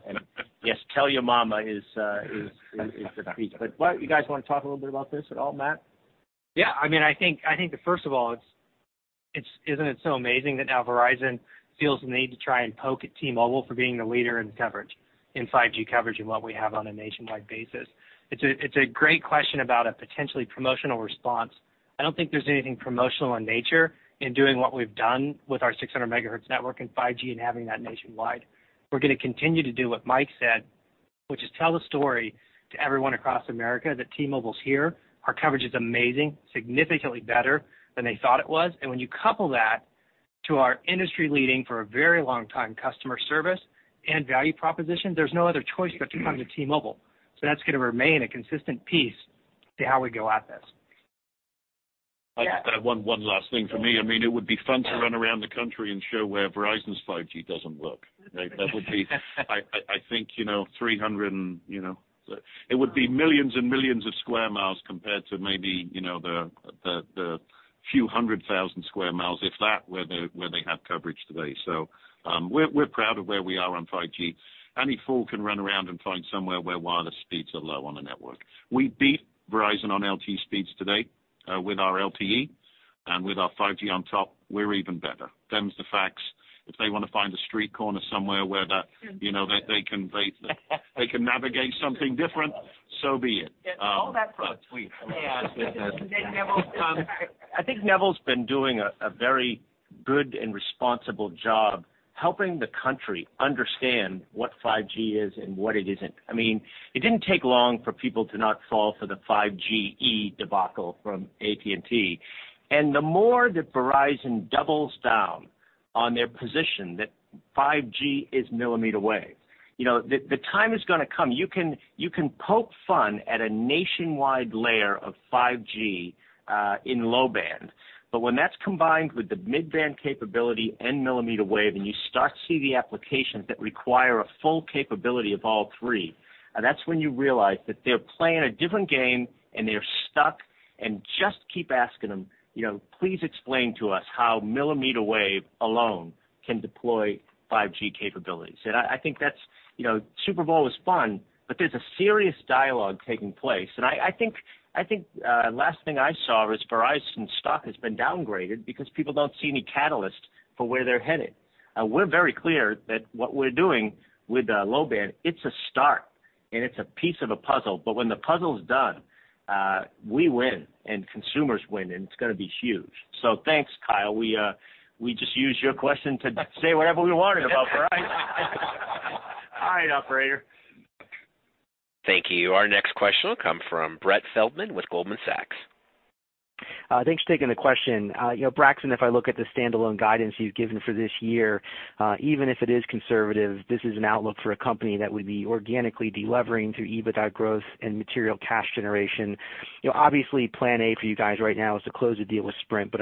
Speaker 3: Yes, Tell Your Mama is the piece. You guys want to talk a little bit about this at all, Matt?
Speaker 8: Yeah. I think that first of all, isn't it so amazing that now Verizon feels the need to try and poke at T-Mobile for being the leader in 5G coverage and what we have on a nationwide basis. It's a great question about a potentially promotional response. I don't think there's anything promotional in nature in doing what we've done with our 600 MHz network and 5G and having that nationwide. We're going to continue to do what Mike said, which is tell the story to everyone across America that T-Mobile's here. Our coverage is amazing, significantly better than they thought it was. When you couple that to our industry-leading, for a very long time, customer service and value proposition, there's no other choice but to come to T-Mobile. That's going to remain a consistent piece to how we go at this.
Speaker 9: One last thing from me. It would be fun to run around the country and show where Verizon's 5G doesn't work. It would be millions and millions of square miles compared to maybe the few hundred thousand square miles, if that, where they have coverage today. We're proud of where we are on 5G. Any fool can run around and find somewhere where wireless speeds are low on the network. We beat Verizon on LTE speeds today, with our LTE. With our 5G on top, we're even better. Them's the facts. If they want to find a street corner somewhere where they can navigate something different, so be it.
Speaker 3: All that for a tweet. May I ask, Neville? I think Neville's been doing a very good and responsible job helping the country understand what 5G is and what it isn't. It didn't take long for people to not fall for the 5GE debacle from AT&T. The more that Verizon doubles down on their position that 5G is millimeter wave. The time is going to come. You can poke fun at a nationwide layer of 5G, in low band. When that's combined with the mid-band capability and millimeter wave, and you start to see the applications that require a full capability of all three, that's when you realize that they're playing a different game and they're stuck and just keep asking them, Please explain to us how millimeter wave alone can deploy 5G capabilities. Super Bowl was fun, there's a serious dialogue taking place. I think last thing I saw is Verizon stock has been downgraded because people don't see any catalyst for where they're headed. We're very clear that what we're doing with low band, it's a start and it's a piece of a puzzle. When the puzzle is done, we win and consumers win, and it's going to be huge. Thanks, Kyle. We just used your question to say whatever we wanted about Verizon. All right, operator?
Speaker 1: Thank you. Our next question will come from Brett Feldman with Goldman Sachs.
Speaker 12: Thanks for taking the question. Braxton, if I look at the standalone guidance you've given for this year, even if it is conservative, this is an outlook for a company that would be organically de-levering through EBITDA growth and material cash generation.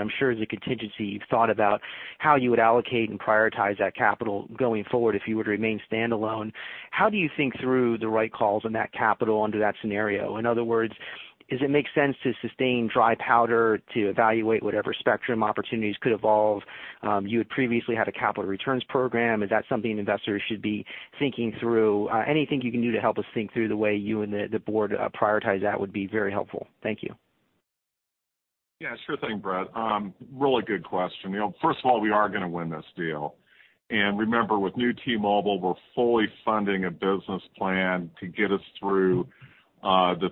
Speaker 12: I'm sure as a contingency, you've thought about how you would allocate and prioritize that capital going forward if you were to remain standalone. How do you think through the right calls on that capital under that scenario? In other words, does it make sense to sustain dry powder to evaluate whatever spectrum opportunities could evolve? You previously had a capital returns program. Is that something investors should be thinking through? Anything you can do to help us think through the way you and the board prioritize that would be very helpful. Thank you.
Speaker 5: Yeah, sure thing, Brett. Really good question. First of all, we are going to win this deal. Remember, with New T-Mobile, we're fully funding a business plan to get us through the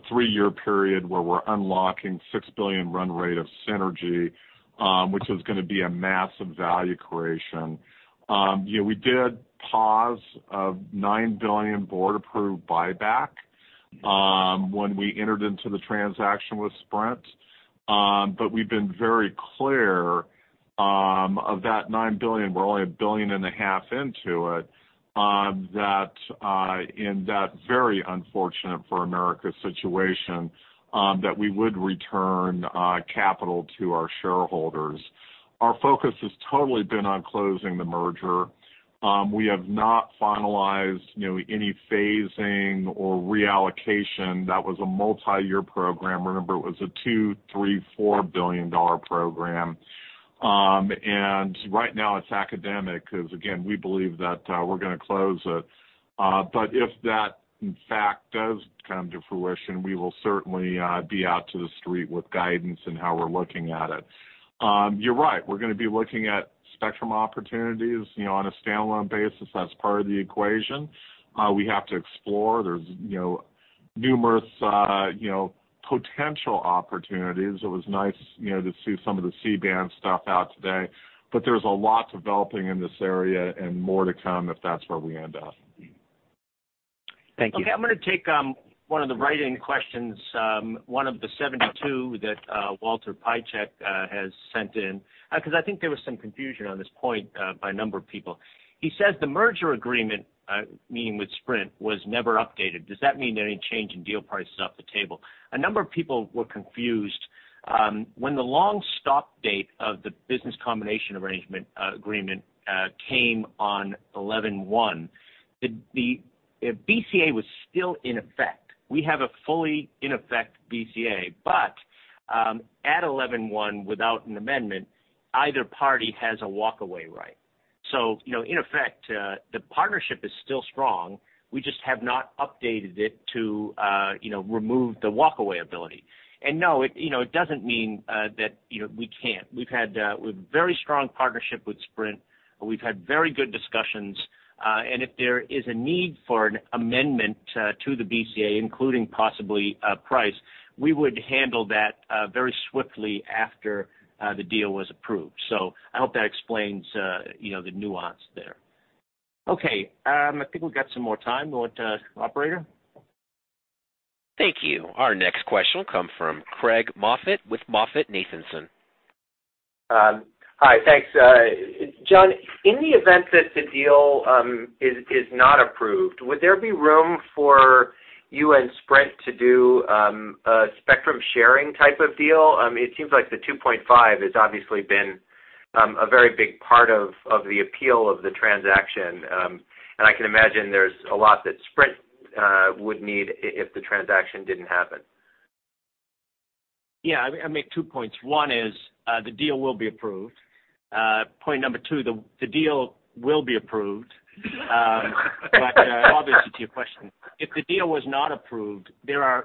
Speaker 5: three-year period where we're unlocking $6 billion run rate of synergy, which is going to be a massive value creation. We did pause a $9 billion board-approved buyback when we entered into the transaction with Sprint. We've been very clear, of that $9 billion, we're only a billion and a half into it, in that very unfortunate for America situation, that we would return capital to our shareholders. Our focus has totally been on closing the merger. We have not finalized any phasing or reallocation. That was a multi-year program. Remember, it was a $2 billion, $3 billion, $4 billion program. Right now, it's academic, because again, we believe that we're going to close it. If that in fact does come to fruition, we will certainly be out to the street with guidance and how we're looking at it. You're right. We're going to be looking at spectrum opportunities on a standalone basis. That's part of the equation. We have to explore. There's numerous potential opportunities. It was nice to see some of the C-band stuff out today, there's a lot developing in this area and more to come if that's where we end up.
Speaker 12: Thank you.
Speaker 3: Okay, I'm going to take one of the write-in questions, one of the 72 that Walter Piecyk has sent in, because I think there was some confusion on this point by a number of people. He says the merger agreement, meaning with Sprint, was never updated. Does that mean any change in deal price is off the table? A number of people were confused. When the long stop date of the business combination arrangement agreement came on 11/1, the BCA was still in effect. We have a fully in effect BCA. At 11/1, without an amendment, either party has a walk-away right. In effect, the partnership is still strong, we just have not updated it to remove the walk-away ability. No, it doesn't mean that we can't. We've very strong partnership with Sprint. We've had very good discussions. If there is a need for an amendment to the BCA, including possibly price, we would handle that very swiftly after the deal was approved. I hope that explains the nuance there. Okay, I think we've got some more time. Go with operator?
Speaker 1: Thank you. Our next question will come from Craig Moffett with MoffettNathanson.
Speaker 13: Hi, thanks. John, in the event that the deal is not approved, would there be room for you and Sprint to do a spectrum sharing type of deal? It seems like the 2.5 has obviously been a very big part of the appeal of the transaction. I can imagine there's a lot that Sprint would need if the transaction didn't happen.
Speaker 3: Yeah, I'll make two points. One is, the deal will be approved. Point number two, the deal will be approved. Obviously, to your question, if the deal was not approved, there are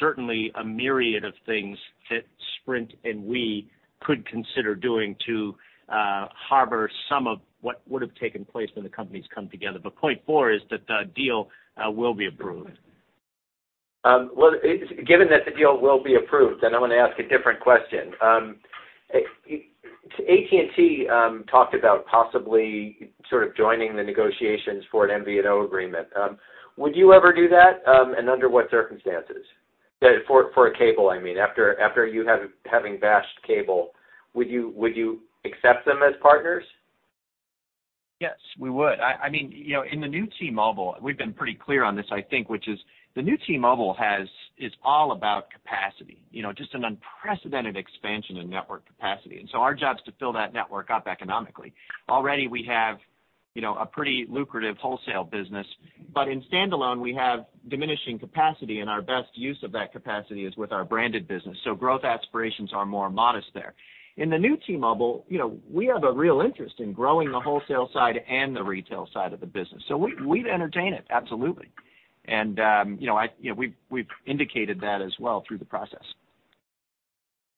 Speaker 3: certainly a myriad of things that Sprint and we could consider doing to harbor some of what would have taken place when the companies come together. Point four is that the deal will be approved.
Speaker 13: Well, given that the deal will be approved, I want to ask a different question. AT&T talked about possibly sort of joining the negotiations for an MVNO agreement. Would you ever do that? Under what circumstances? For cable, I mean. After you having bashed cable, would you accept them as partners?
Speaker 3: Yes, we would. In the New T-Mobile, we've been pretty clear on this, I think, which is the New T-Mobile is all about capacity. Just an unprecedented expansion in network capacity. Our job is to fill that network up economically. Already we have a pretty lucrative wholesale business. In standalone, we have diminishing capacity and our best use of that capacity is with our branded business. Growth aspirations are more modest there. In the New T-Mobile, we have a real interest in growing the wholesale side and the retail side of the business. We'd entertain it, absolutely. We've indicated that as well through the process.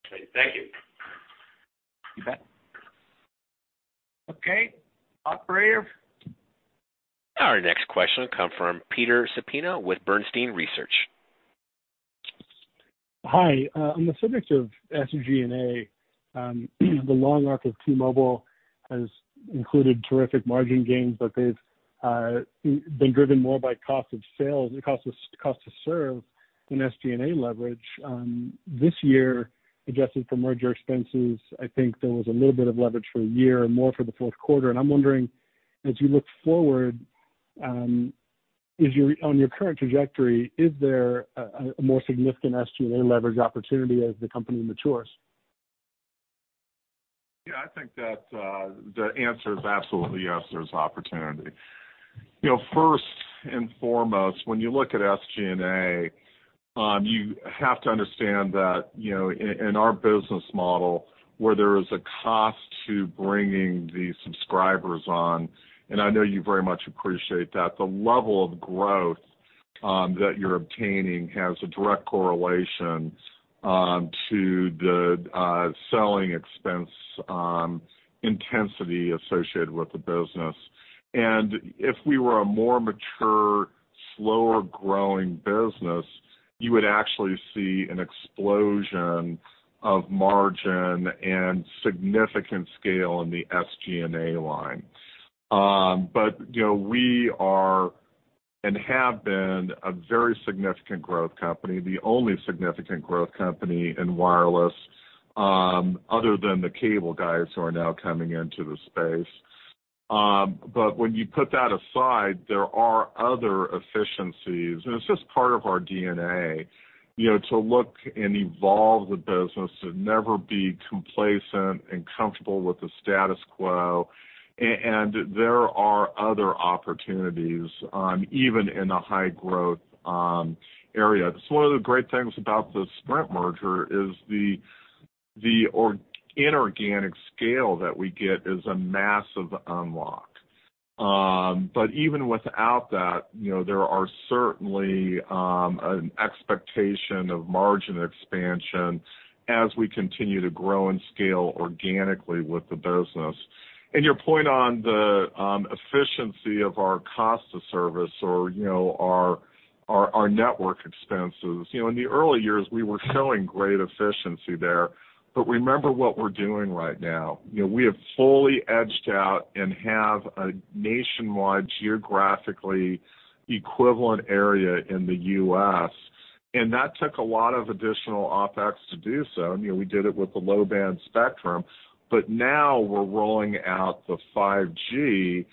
Speaker 13: Okay. Thank you.
Speaker 3: You bet. Okay. Operator?
Speaker 1: Our next question will come from Peter Supino with Bernstein Research.
Speaker 14: Hi. On the subject of SG&A, the long arc of T-Mobile has included terrific margin gains, but they've been driven more by cost of serve than SG&A leverage. This year, adjusted for merger expenses, I think there was a little bit of leverage for the year and more for the fourth quarter. I'm wondering, as you look forward, on your current trajectory, is there a more significant SG&A leverage opportunity as the company matures?
Speaker 5: Yeah, I think that the answer is absolutely yes, there's opportunity. First and foremost, when you look at SG&A, you have to understand that in our business model where there is a cost to bringing the subscribers on, and I know you very much appreciate that the level of growth that you're obtaining has a direct correlation to the selling expense intensity associated with the business. If we were a more mature, slower growing business, you would actually see an explosion of margin and significant scale in the SG&A line. We are, and have been, a very significant growth company, the only significant growth company in wireless, other than the cable guys who are now coming into the space. When you put that aside, there are other efficiencies, and it's just part of our DNA, to look and evolve the business and never be complacent and comfortable with the status quo. There are other opportunities, even in a high growth area. It's one of the great things about this Sprint merger is the inorganic scale that we get is a massive unlock. Even without that, there are certainly an expectation of margin expansion as we continue to grow and scale organically with the business. Your point on the efficiency of our cost of service or our network expenses. In the early years, we were showing great efficiency there, but remember what we're doing right now. We have fully edged out and have a nationwide, geographically equivalent area in the U.S., and that took a lot of additional OpEx to do so. We did it with the low-band spectrum. Now we're rolling out the 5G,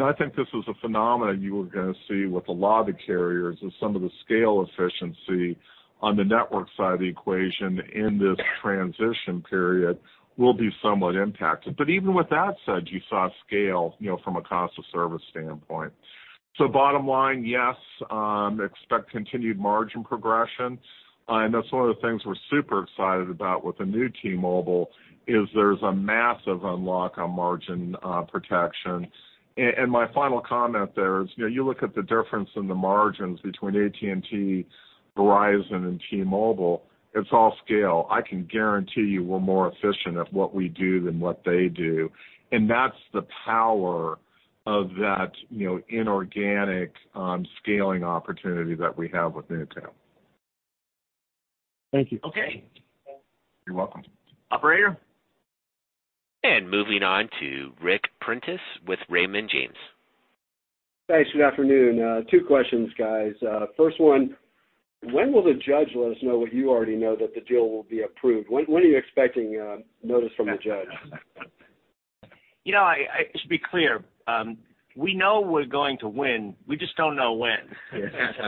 Speaker 5: I think this is a phenomenon you are going to see with a lot of the carriers as some of the scale efficiency on the network side of the equation in this transition period will be somewhat impacted. Even with that said, you saw scale from a cost of service standpoint. Bottom line, yes, expect continued margin progression. That's one of the things we're super excited about with the New T-Mobile, is there's a massive unlock on margin protection. My final comment there is, you look at the difference in the margins between AT&T, Verizon, and T-Mobile, it's all scale. I can guarantee you we're more efficient at what we do than what they do, that's the power of that inorganic scaling opportunity that we have with NewCo.
Speaker 14: Thank you.
Speaker 3: Okay.
Speaker 5: You're welcome.
Speaker 3: Operator?
Speaker 1: Moving on to Ric Prentiss with Raymond James.
Speaker 15: Thanks. Good afternoon. Two questions, guys. First one, when will the judge let us know what you already know that the deal will be approved? When are you expecting notice from the judge?
Speaker 4: Just to be clear, we know we're going to win. We just don't know when.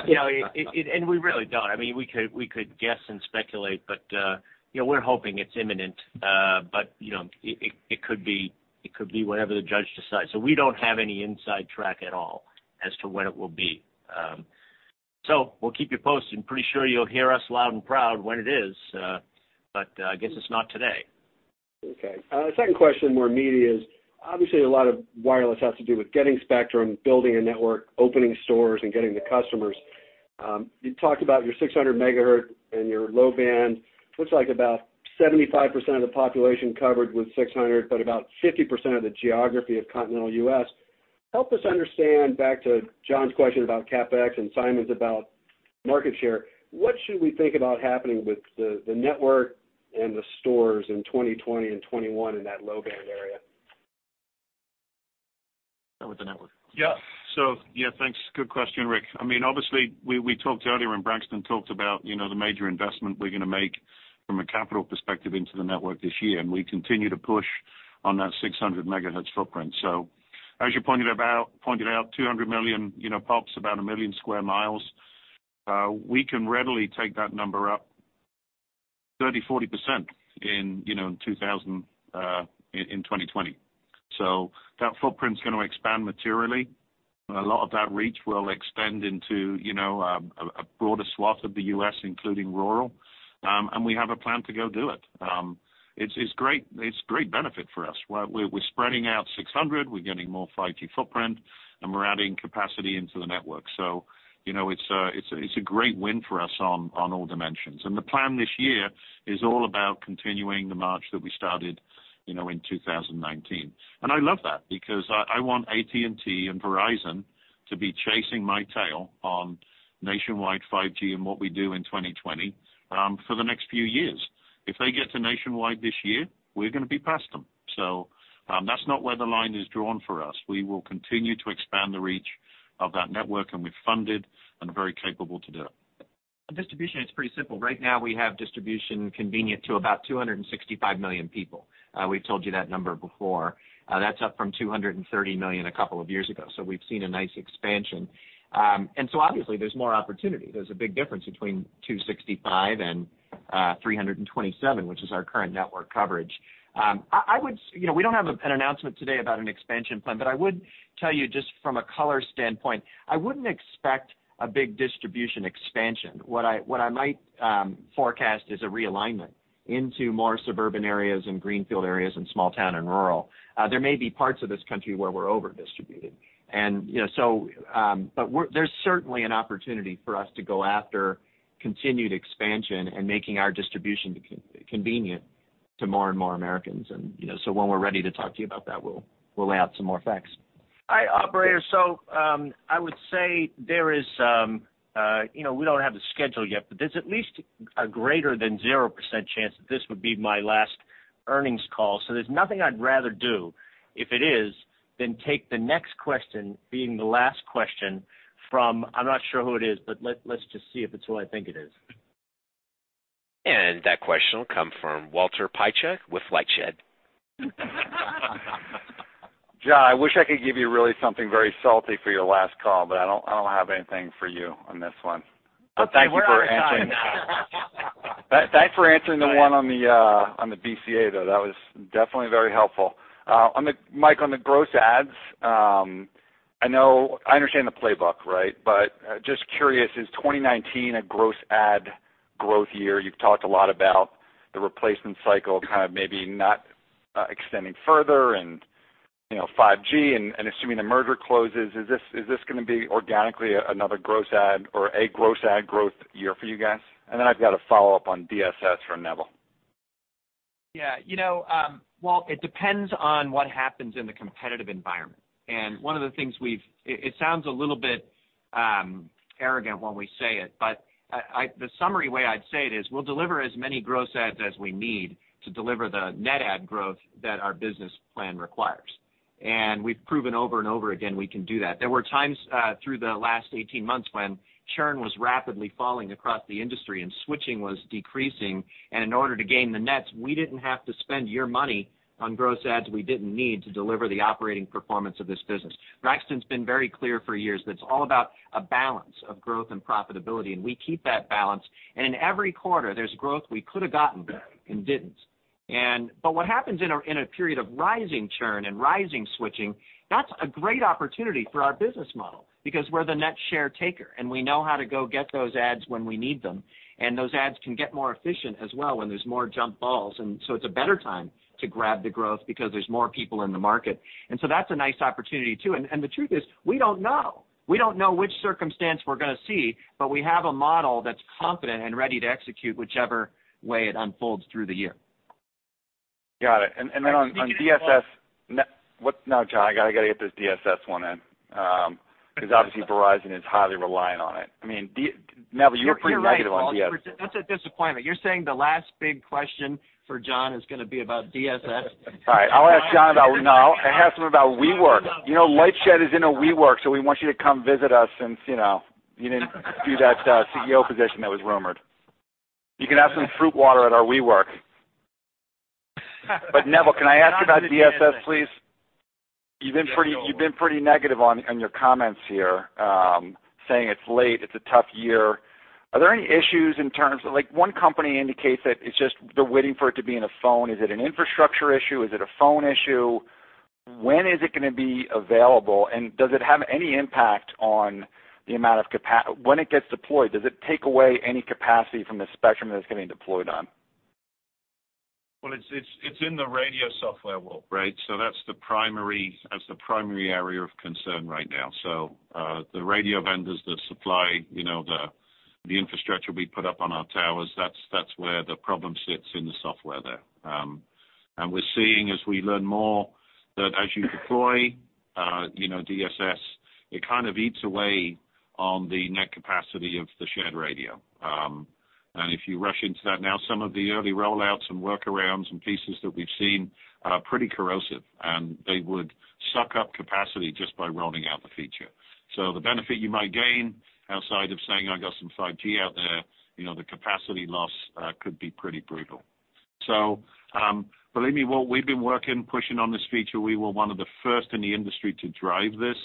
Speaker 4: We really don't. We could guess and speculate, but we're hoping it's imminent. It could be whenever the judge decides. We don't have any inside track at all as to when it will be. We'll keep you posted, and pretty sure you'll hear us loud and proud when it is. I guess it's not today.
Speaker 15: Okay. Second question, more meaty is, obviously a lot of wireless has to do with getting spectrum, building a network, opening stores, and getting the customers. You talked about your 600 MHz and your low-band. Looks like about 75% of the population covered with 600 MHz, but about 50% of the geography of continental U.S. Help us understand, back to John's question about CapEx and Simon's about market share, what should we think about happening with the network and the stores in 2020 and 2021 in that low-band area?
Speaker 4: Start with the network.
Speaker 9: Yeah. Yeah, thanks. Good question, Ric. Obviously, we talked earlier when Braxton talked about the major investment we're going to make from a capital perspective into the network this year, and we continue to push on that 600 MHz footprint. As you pointed out, 200 million pops, about a million square miles. We can readily take that number up 30%-40% in 2020. That footprint's going to expand materially, and a lot of that reach will extend into a broader swath of the U.S. including rural. We have a plan to go do it. It's great benefit for us. We're spreading out 600 MHz, we're getting more 5G footprint, and we're adding capacity into the network. It's a great win for us on all dimensions. The plan this year is all about continuing the march that we started in 2019. I love that, because I want AT&T and Verizon to be chasing my tail on nationwide 5G and what we do in 2020 for the next few years. If they get to nationwide this year, we're going to be past them. That's not where the line is drawn for us. We will continue to expand the reach of that network, and we've funded and are very capable to do it.
Speaker 4: Distribution, it's pretty simple. Right now, we have distribution convenient to about 265 million people. We've told you that number before. That's up from 230 million a couple of years ago. We've seen a nice expansion. Obviously, there's more opportunity. There's a big difference between 265 and 327, which is our current network coverage. We don't have an announcement today about an expansion plan, but I would tell you just from a color standpoint, I wouldn't expect a big distribution expansion. What I might forecast is a realignment into more suburban areas and greenfield areas in small town and rural. There may be parts of this country where we're over-distributed. There's certainly an opportunity for us to go after continued expansion and making our distribution convenient to more and more Americans. When we're ready to talk to you about that, we'll lay out some more facts.
Speaker 3: Hi, operator. I would say we don't have the schedule yet, but there's at least a greater than 0% chance that this would be my last earnings call. There's nothing I'd rather do if it is, than take the next question being the last question from, I'm not sure who it is, but let's just see if it's who I think it is.
Speaker 1: That question will come from Walter Piecyk with LightShed.
Speaker 16: John, I wish I could give you really something very salty for your last call, but I don't have anything for you on this one. Thanks for answering.
Speaker 3: Okay. We're out of time.
Speaker 16: Thanks for answering the one on the BCA, though. That was definitely very helpful. Mike, on the gross adds, I understand the playbook. Just curious, is 2019 a gross add growth year? You've talked a lot about the replacement cycle maybe not extending further and 5G and assuming the merger closes, is this going to be organically another gross add or a gross add growth year for you guys? I've got a follow-up on DSS for Neville.
Speaker 4: Yeah. Walt, it depends on what happens in the competitive environment. It sounds a little bit arrogant when we say it, but the summary way I'd say it is, we'll deliver as many gross adds as we need to deliver the net add growth that our business plan requires. We've proven over and over again, we can do that. There were times through the last 18 months when churn was rapidly falling across the industry and switching was decreasing, and in order to gain the nets, we didn't have to spend your money on gross adds we didn't need to deliver the operating performance of this business. Braxton's been very clear for years that it's all about a balance of growth and profitability, and we keep that balance. In every quarter, there's growth we could have gotten and didn't. What happens in a period of rising churn and rising switching, that's a great opportunity for our business model because we're the net share taker, and we know how to go get those adds when we need them. Those adds can get more efficient as well when there's more jump balls, and so it's a better time to grab the growth because there's more people in the market. That's a nice opportunity, too. The truth is, we don't know. We don't know which circumstance we're going to see, but we have a model that's confident and ready to execute whichever way it unfolds through the year.
Speaker 16: Got it.
Speaker 3: You can ask Walter.
Speaker 16: No, John, I got to get this DSS one in. Obviously Verizon is highly reliant on it. I mean, Neville, you were pretty negative.
Speaker 3: You're right, Walter. That's a disappointment. You're saying the last big question for John is going to be about DSS?
Speaker 16: All right, I'll ask John. No, I have something about WeWork. You know, LightShed is in a WeWork, so we want you to come visit us since you didn't do that CEO position that was rumored. You can have some fruit water at our WeWork. Neville, can I ask you about DSS, please? You've been pretty negative on your comments here, saying it's late, it's a tough year. Are there any issues? One company indicates that it's just they're waiting for it to be in a phone. Is it an infrastructure issue? Is it a phone issue? When is it going to be available? Does it have any impact on the amount of capa--? When it gets deployed, does it take away any capacity from the spectrum that it's getting deployed on?
Speaker 9: Well, it's in the radio software, Walter, right? That's the primary area of concern right now. The radio vendors that supply the infrastructure we put up on our towers, that's where the problem sits in the software there. We're seeing, as we learn more, that as you deploy DSS, it kind of eats away on the net capacity of the shared radio. If you rush into that now, some of the early rollouts and workarounds and pieces that we've seen are pretty corrosive, and they would suck up capacity just by rolling out the feature. The benefit you might gain outside of saying, I've got some 5G out there, the capacity loss could be pretty brutal. Believe me, Walter, we've been working, pushing on this feature. We were one of the first in the industry to drive this.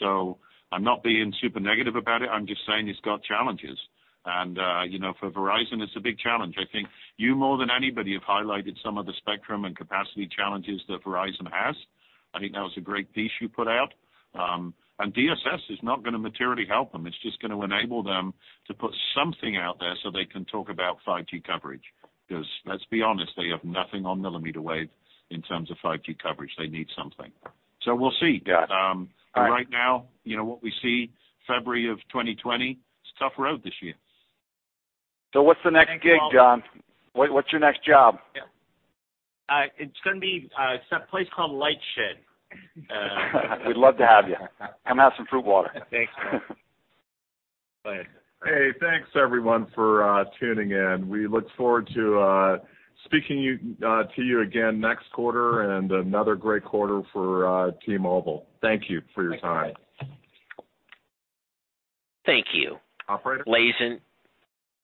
Speaker 9: I'm not being super negative about it. I'm just saying it's got challenges. For Verizon, it's a big challenge. I think you, more than anybody, have highlighted some of the spectrum and capacity challenges that Verizon has. I think that was a great piece you put out. DSS is not going to materially help them. It's just going to enable them to put something out there so they can talk about 5G coverage. Because let's be honest, they have nothing on millimeter wave in terms of 5G coverage. They need something. We'll see.
Speaker 16: Got it. All right.
Speaker 9: Right now, what we see, February of 2020, it's a tough road this year.
Speaker 16: What's the next gig, John? What's your next job?
Speaker 4: It's going to be some place called LightShed.
Speaker 16: We'd love to have you. Come have some fruit water.
Speaker 3: Thanks, man.
Speaker 16: Go ahead.
Speaker 5: Hey, thanks, everyone, for tuning in. We look forward to speaking to you again next quarter and another great quarter for T-Mobile. Thank you for your time.
Speaker 3: Thanks, guys.
Speaker 2: Thank you.
Speaker 3: Operator?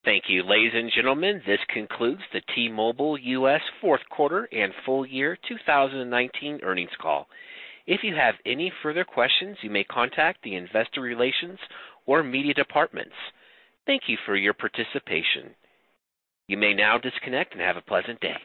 Speaker 1: Thank you. Ladies and gentlemen, this concludes the T-Mobile US fourth quarter and full-year 2019 earnings call. If you have any further questions, you may contact the investor relations or media departments. Thank you for your participation. You may now disconnect and have a pleasant day.